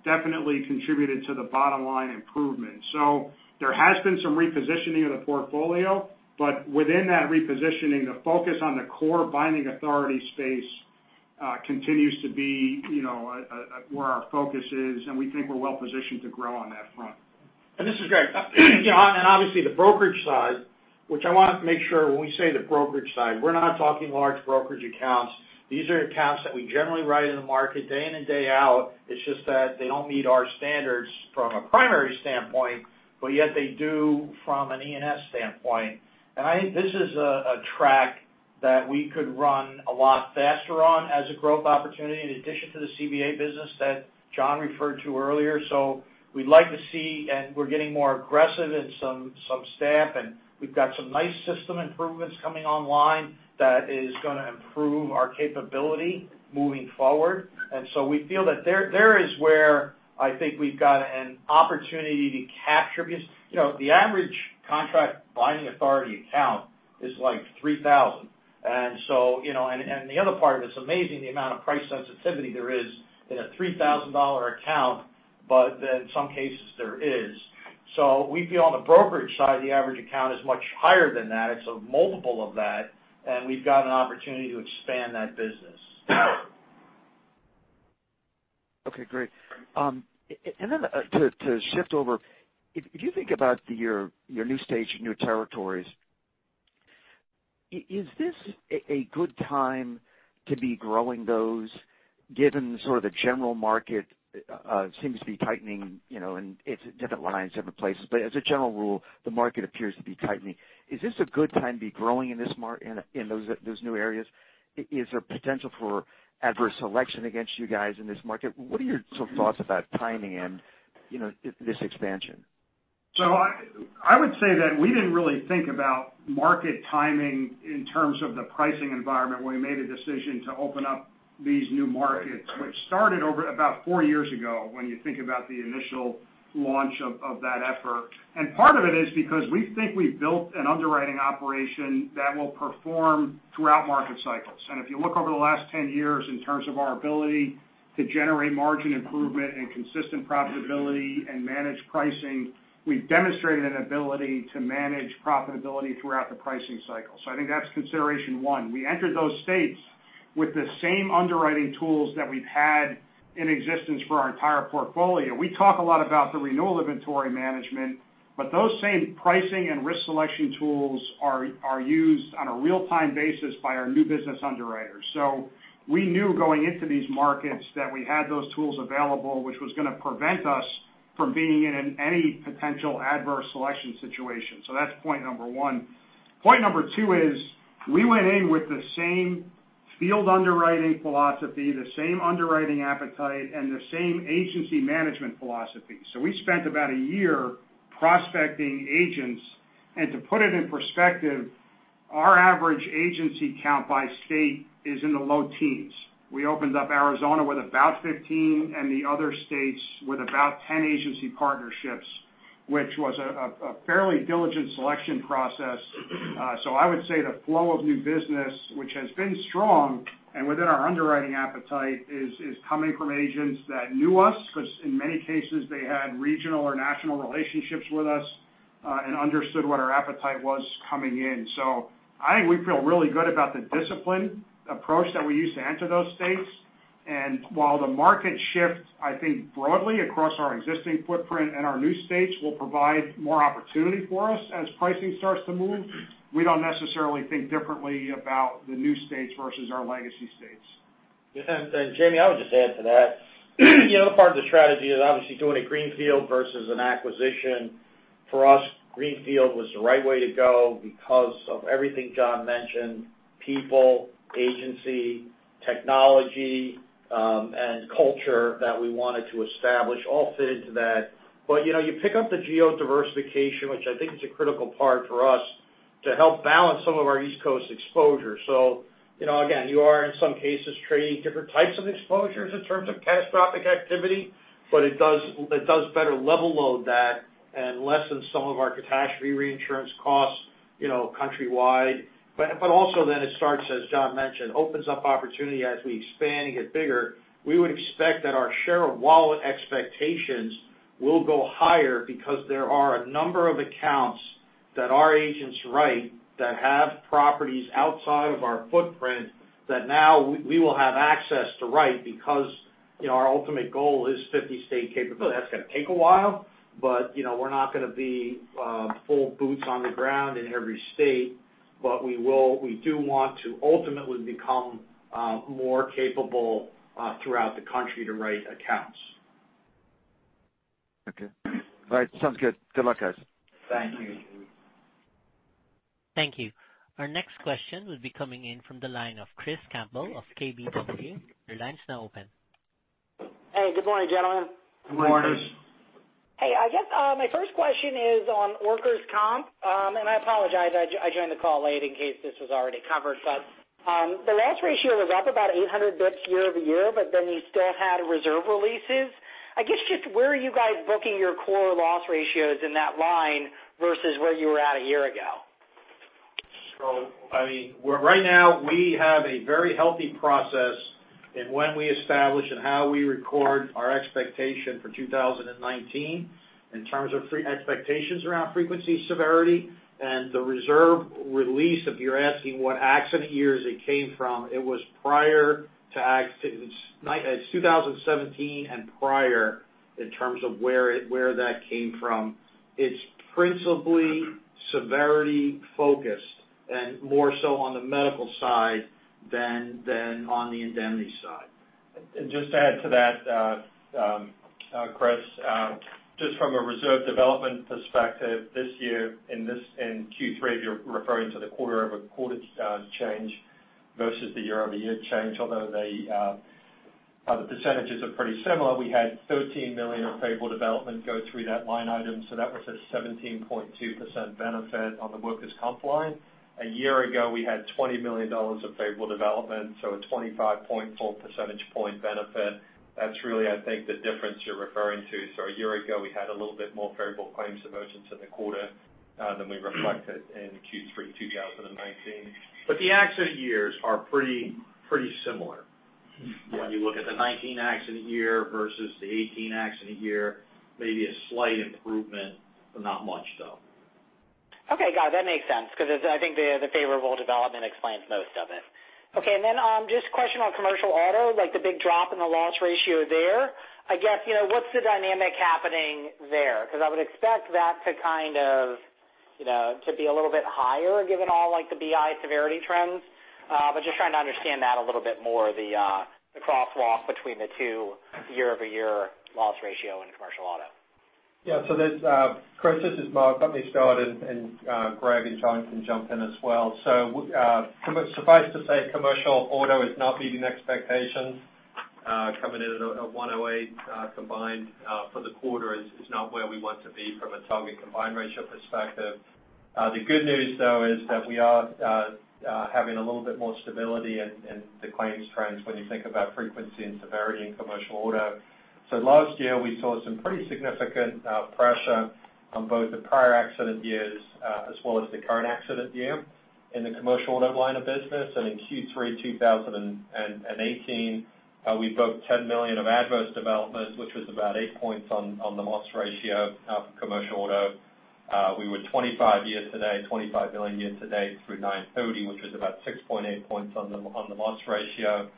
definitely contributed to the bottom line improvement. There has been some repositioning of the portfolio, but within that repositioning, the focus on the core binding authority space continues to be where our focus is, and we think we're well positioned to grow on that front. This is Greg. Obviously the brokerage side, which I want to make sure when we say the brokerage side, we're not talking large brokerage accounts. These are accounts that we generally write in the market day in and day out. It's just that they don't meet our standards from a primary standpoint, but yet they do from an E&S standpoint. I think this is a track that we could run a lot faster on as a growth opportunity in addition to the CBA business that John referred to earlier. We'd like to see, and we're getting more aggressive in some staff, and we've got some nice system improvements coming online that is going to improve our capability moving forward. We feel that there is where I think we've got an opportunity to capture because the average contract binding authority account is like $3,000. The other part of it is amazing the amount of price sensitivity there is in a $3,000 account, but in some cases there is. We feel on the brokerage side, the average account is much higher than that. It's a multiple of that, and we've got an opportunity to expand that business. Okay, great. Then to shift over, if you think about your new states and new territories, is this a good time to be growing those, given the general market seems to be tightening, and it's different lines, different places, but as a general rule, the market appears to be tightening. Is this a good time to be growing in those new areas? Is there potential for adverse selection against you guys in this market? What are your thoughts about timing in this expansion? I would say that we didn't really think about market timing in terms of the pricing environment when we made a decision to open up these new markets, which started over about 4 years ago, when you think about the initial launch of that effort. Part of it is because we think we've built an underwriting operation that will perform throughout market cycles. If you look over the last 10 years in terms of our ability to generate margin improvement and consistent profitability and manage pricing, we've demonstrated an ability to manage profitability throughout the pricing cycle. I think that's consideration one. We entered those states with the same underwriting tools that we've had in existence for our entire portfolio. We talk a lot about the renewal inventory management, those same pricing and risk selection tools are used on a real-time basis by our new business underwriters. We knew going into these markets that we had those tools available, which was going to prevent us from being in any potential adverse selection situation. That's point number 1. Point number 2 is we went in with the same field underwriting philosophy, the same underwriting appetite, and the same agency management philosophy. We spent about a year prospecting agents. To put it in perspective, our average agency count by state is in the low teens. We opened up Arizona with about 15 and the other states with about 10 agency partnerships, which was a fairly diligent selection process. I would say the flow of new business, which has been strong, and within our underwriting appetite, is coming from agents that knew us, because in many cases, they had regional or national relationships with us, and understood what our appetite was coming in. I think we feel really good about the disciplined approach that we used to enter those states. While the market shifts, I think broadly across our existing footprint and our new states will provide more opportunity for us as pricing starts to move. We don't necessarily think differently about the new states versus our legacy states. Jamie, I would just add to that. Part of the strategy is obviously doing a greenfield versus an acquisition. For us, greenfield was the right way to go because of everything John mentioned, people, agency, technology, and culture that we wanted to establish all fit into that. You pick up the geo-diversification, which I think is a critical part for us to help balance some of our East Coast exposure. Again, you are in some cases trading different types of exposures in terms of catastrophic activity, it does better level load that and lessens some of our catastrophe reinsurance costs countrywide. It starts, as John mentioned, opens up opportunity as we expand and get bigger. We would expect that our share of wallet expectations will go higher because there are a number of accounts that our agents write that have properties outside of our footprint that now we will have access to write because our ultimate goal is 50-state capability. That's going to take a while, but we're not going to be full boots on the ground in every state, but we do want to ultimately become more capable throughout the country to write accounts. Okay. All right. Sounds good. Good luck, guys. Thank you. Thank you. Our next question will be coming in from the line of Chris Campbell of KBW. Your line's now open. Hey, good morning, gentlemen. Good morning. Morning. Hey, I guess, my first question is on Workers' Comp. I apologize, I joined the call late in case this was already covered, the loss ratio was up about 800 basis points year-over-year, you still had reserve releases. I guess just where are you guys booking your core loss ratios in that line versus where you were at a year ago? Right now, we have a very healthy process in when we establish and how we record our expectation for 2019 in terms of expectations around frequency severity. The reserve release, if you're asking what accident years it came from, it was 2017 and prior in terms of where that came from. It's principally severity focused and more so on the medical side than on the indemnity side. Just to add to that, Chris, just from a reserve development perspective this year in Q3, if you're referring to the quarter-over-quarter change versus the year-over-year change, although the percentages are pretty similar. We had $13 million of favorable development go through that line item, so that was a 17.2% benefit on the Workers' Comp line. A year ago, we had $20 million of favorable development, so a 25.4 percentage point benefit. That's really, I think, the difference you're referring to. A year ago, we had a little bit more favorable claims emergence in the quarter than we reflected in Q3 2019. The accident years are pretty similar. When you look at the 2019 accident year versus the 2018 accident year, maybe a slight improvement, but not much though. Okay. Got it. That makes sense because I think the favorable development explains most of it. Just a question on Commercial Auto, like the big drop in the loss ratio there. I guess, what's the dynamic happening there? Because I would expect that to be a little bit higher given all the BI severity trends. Just trying to understand that a little bit more, the crosswalk between the two year-over-year loss ratio and Commercial Auto. Chris, this is Mark. Let me start and Greg and John can jump in as well. Suffice to say, Commercial Auto is not meeting expectations. Coming in at a 108 combined for the quarter is not where we want to be from a combined ratio perspective. The good news though is that we are having a little bit more stability in the claims trends when you think about frequency and severity in Commercial Auto. Last year, we saw some pretty significant pressure on both the prior accident years, as well as the current accident year in the Commercial Auto line of business. In Q3 2018, we booked $10 million of adverse development, which was about eight points on the loss ratio for Commercial Auto. We were $25 million year to date through 9/30, which was about 6.8 points on the loss ratio.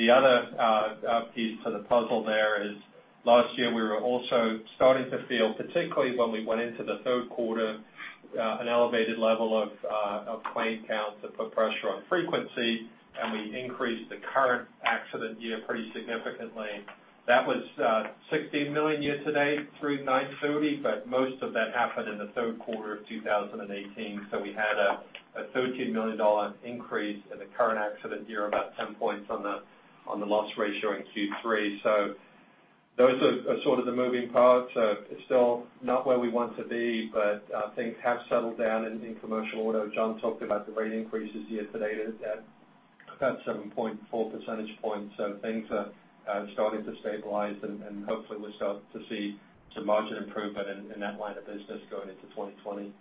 The other piece to the puzzle there is last year, we were also starting to feel, particularly when we went into the third quarter, an elevated level of claim counts that put pressure on frequency, and we increased the current accident year pretty significantly. That was $16 million year to date through 9/30, but most of that happened in the third quarter of 2018. We had a $13 million increase in the current accident year, about 10 points on the loss ratio in Q3. Those are sort of the moving parts. It is still not where we want to be, but things have settled down in Commercial Auto. John talked about the rate increases year to date at about 7.4 percentage points. Things are starting to stabilize, and hopefully we start to see some margin improvement in that line of business going into 2020.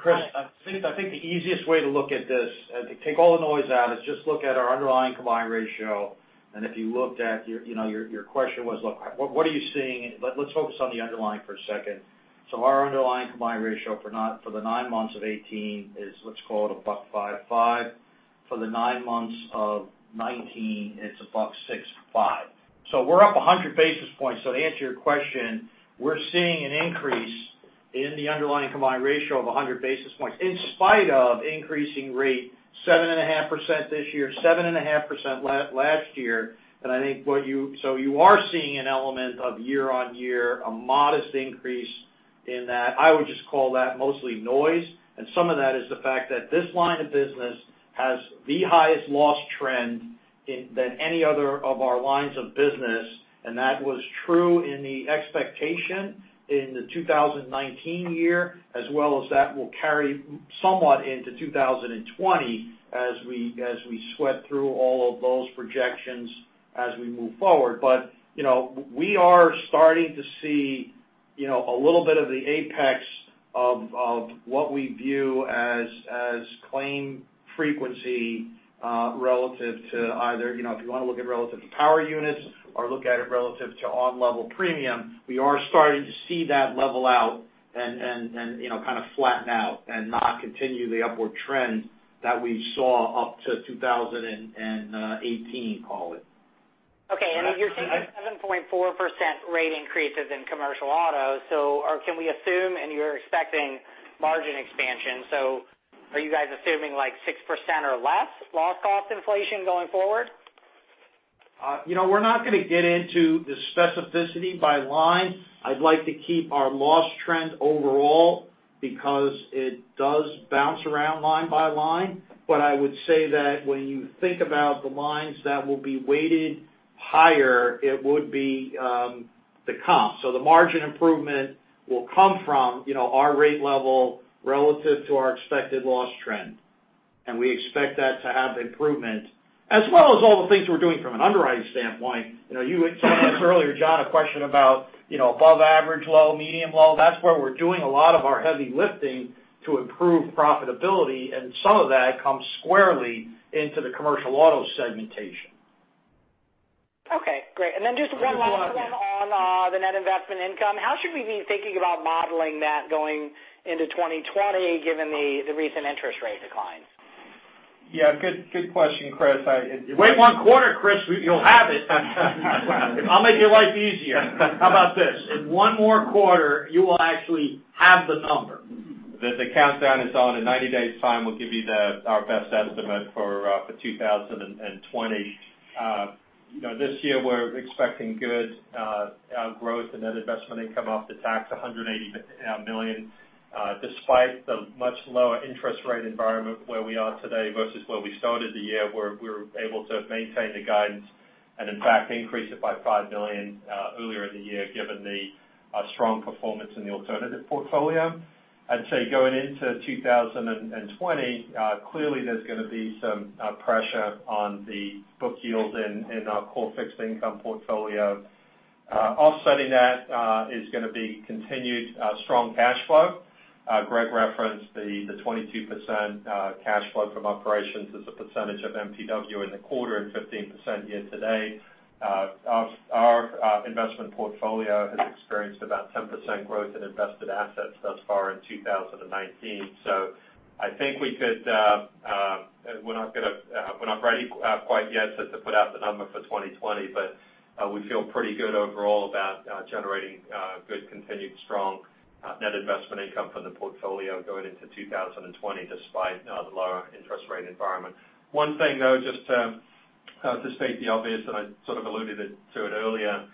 Chris, I think the easiest way to look at this, to take all the noise out, is just look at our underlying combined ratio. If you looked at, your question was, what are you seeing? Let's focus on the underlying for a second. Our underlying combined ratio for the nine months of 2018 is, let's call it a buck five five. For the nine months of 2019, it is a buck six five. We are up 100 basis points. To answer your question, we are seeing an increase in the underlying combined ratio of 100 basis points in spite of increasing rate 7.5% this year, 7.5% last year. You are seeing an element of year-on-year, a modest increase in that. I would just call that mostly noise, and some of that is the fact that this line of business has the highest loss trend than any other of our lines of business, and that was true in the expectation in the 2019 year as well as that will carry somewhat into 2020 as we sweat through all of those projections as we move forward. We are starting to see a little bit of the apex of what we view as claim frequency relative to either, if you want to look at relative to power units or look at it relative to on-level premium, we are starting to see that level out and kind of flatten out and not continue the upward trend that we saw up to 2018, call it. You're seeing a 7.4% rate increases in Commercial Auto. Can we assume, and you're expecting margin expansion, are you guys assuming like 6% or less loss cost inflation going forward? We're not going to get into the specificity by line. I'd like to keep our loss trend overall because it does bounce around line by line. I would say that when you think about the lines that will be weighted higher, it would be the Comp. The margin improvement will come from our rate level relative to our expected loss trend. We expect that to have improvement, as well as all the things we're doing from an underwriting standpoint. You asked earlier, John, a question about above average low, medium low. That's where we're doing a lot of our heavy lifting to improve profitability, and some of that comes squarely into the Commercial Auto segmentation. Okay. Great. Just one last one on the net investment income. How should we be thinking about modeling that going into 2020 given the recent interest rate declines? Yeah. Good question, Chris. Wait one quarter, Chris. You'll have it. I'll make your life easier. How about this? In one more quarter, you will actually have the number. The countdown is on. In 90 days' time, we'll give you our best estimate for 2020. This year we're expecting good growth in net investment income off the tax, $180 million. Despite the much lower interest rate environment where we are today versus where we started the year, we're able to maintain the guidance and in fact, increase it by $5 million earlier in the year given the strong performance in the alternative portfolio. I'd say going into 2020, clearly there's going to be some pressure on the book yield in our core fixed income portfolio. Offsetting that is going to be continued strong cash flow. Greg referenced the 22% cash flow from operations as a percentage of NPW in the quarter and 15% year-to-date. Our investment portfolio has experienced about 10% growth in invested assets thus far in 2019. I think we're not ready quite yet to put out the number for 2020, but we feel pretty good overall about generating good continued strong net investment income from the portfolio going into 2020 despite the lower interest rate environment. One thing, though, just to state the obvious, and I sort of alluded to it earlier.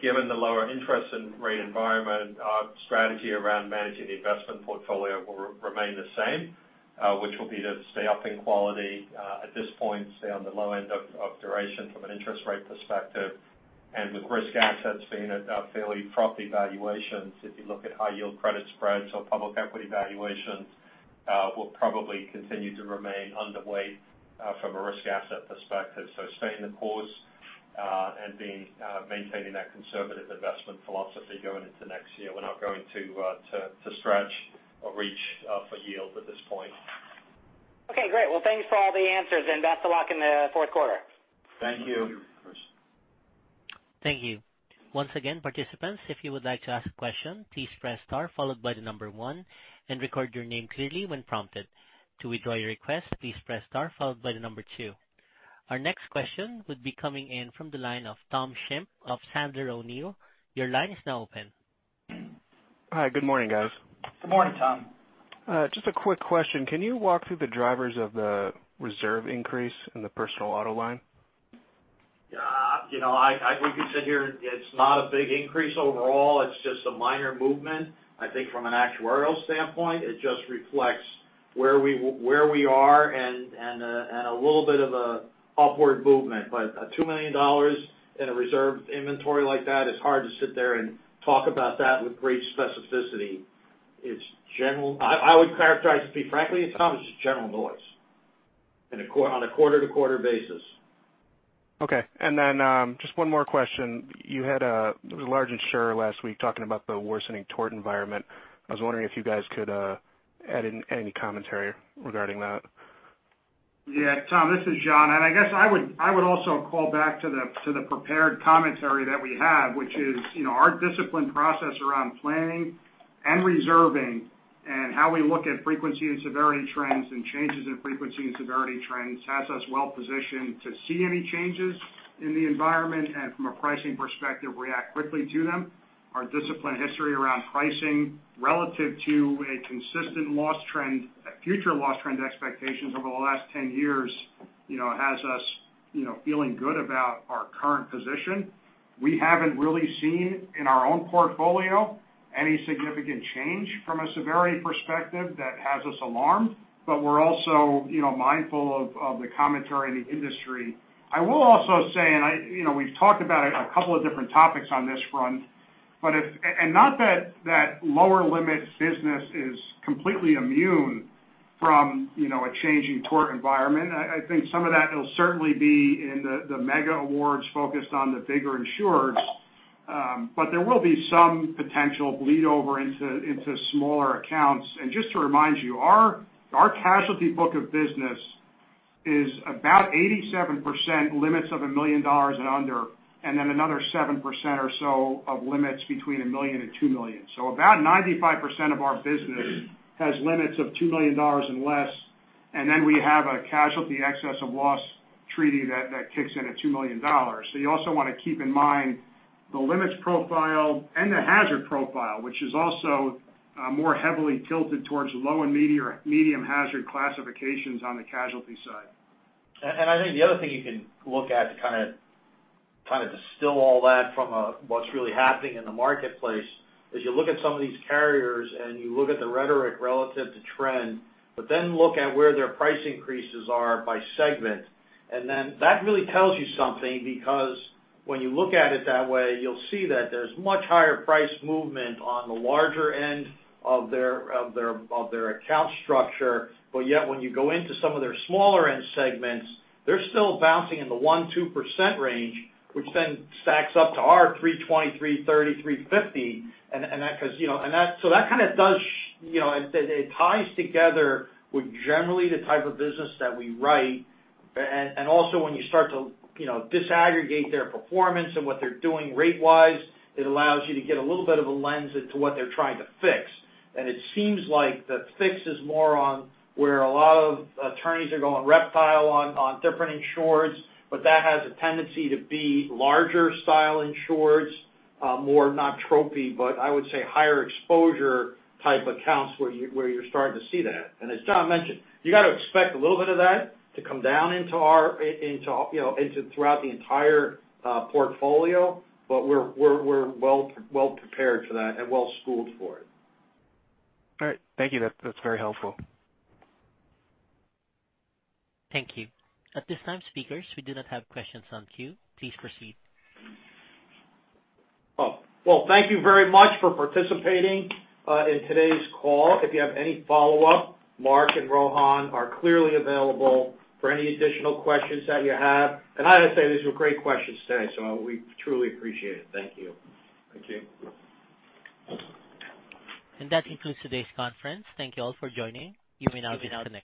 Given the lower interest rate environment, our strategy around managing the investment portfolio will remain the same which will be to stay up in quality at this point, stay on the low end of duration from an interest rate perspective, and with risk assets being at fairly frothy valuations, if you look at high yield credit spreads or public equity valuations, will probably continue to remain underweight from a risk asset perspective. Staying the course, and maintaining that conservative investment philosophy going into next year. We're not going to stretch or reach for yield at this point. Okay, great. Thanks for all the answers, best of luck in the fourth quarter. Thank you. Thank you. Once again, participants, if you would like to ask a question, please press star followed by the number one, and record your name clearly when prompted. To withdraw your request, please press star followed by the number two. Our next question would be coming in from the line of Tom Shimp of Sandler O'Neill. Your line is now open. Hi. Good morning, guys. Good morning, Tom. Just a quick question. Can you walk through the drivers of the reserve increase in the personal auto line? Yeah. We could sit here, it's not a big increase overall. It's just a minor movement. I think from an actuarial standpoint, it just reflects where we are and a little bit of a upward movement. $2 million in a reserve inventory like that is hard to sit there and talk about that with great specificity. I would characterize it, to be frankly, Tom, it's just general noise on a quarter-to-quarter basis. Okay. Just one more question. You had a large insurer last week talking about the worsening tort environment. I was wondering if you guys could add any commentary regarding that. Tom, this is John. I guess I would also call back to the prepared commentary that we have, which is our discipline process around planning and reserving and how we look at frequency and severity trends and changes in frequency and severity trends has us well positioned to see any changes in the environment, and from a pricing perspective, react quickly to them. Our discipline history around pricing relative to a consistent loss trend, future loss trend expectations over the last 10 years has us feeling good about our current position. We haven't really seen in our own portfolio any significant change from a severity perspective that has us alarmed, but we're also mindful of the commentary in the industry. I will also say, we've talked about a couple of different topics on this front, not that lower limits business is completely immune from a changing tort environment. I think some of that it'll certainly be in the mega awards focused on the bigger insurers, but there will be some potential bleed over into smaller accounts. Just to remind you, our casualty book of business is about 87% limits of $1 million and under, and then another 7% or so of limits between $1 million and $2 million. About 95% of our business has limits of $2 million and less, and then we have a casualty excess of loss treaty that kicks in at $2 million. You also want to keep in mind the limits profile and the hazard profile, which is also more heavily tilted towards low and medium hazard classifications on the casualty side. I think the other thing you can look at to kind of distill all that from what's really happening in the marketplace is you look at some of these carriers, you look at the rhetoric relative to trend, look at where their price increases are by segment. That really tells you something because when you look at it that way, you'll see that there's much higher price movement on the larger end of their account structure. Yet when you go into some of their smaller end segments, they're still bouncing in the 1%, 2% range, which stacks up to our 320, 330, 350. It ties together with generally the type of business that we write. When you start to disaggregate their performance and what they're doing rate-wise, it allows you to get a little bit of a lens into what they're trying to fix. It seems like the fix is more on where a lot of attorneys are going reptile on different insurers, but that has a tendency to be larger style insurers, more not trophy, but I would say higher exposure type accounts where you're starting to see that. As John mentioned, you got to expect a little bit of that to come down into throughout the entire portfolio. We're well prepared for that and well-schooled for it. All right. Thank you. That's very helpful. Thank you. At this time, speakers, we do not have questions in queue. Please proceed. Well, thank you very much for participating in today's call. If you have any follow-up, Mark and Rohan are clearly available for any additional questions that you have. I got to say, these were great questions today, we truly appreciate it. Thank you. Thank you. That concludes today's conference. Thank you all for joining. You may now disconnect.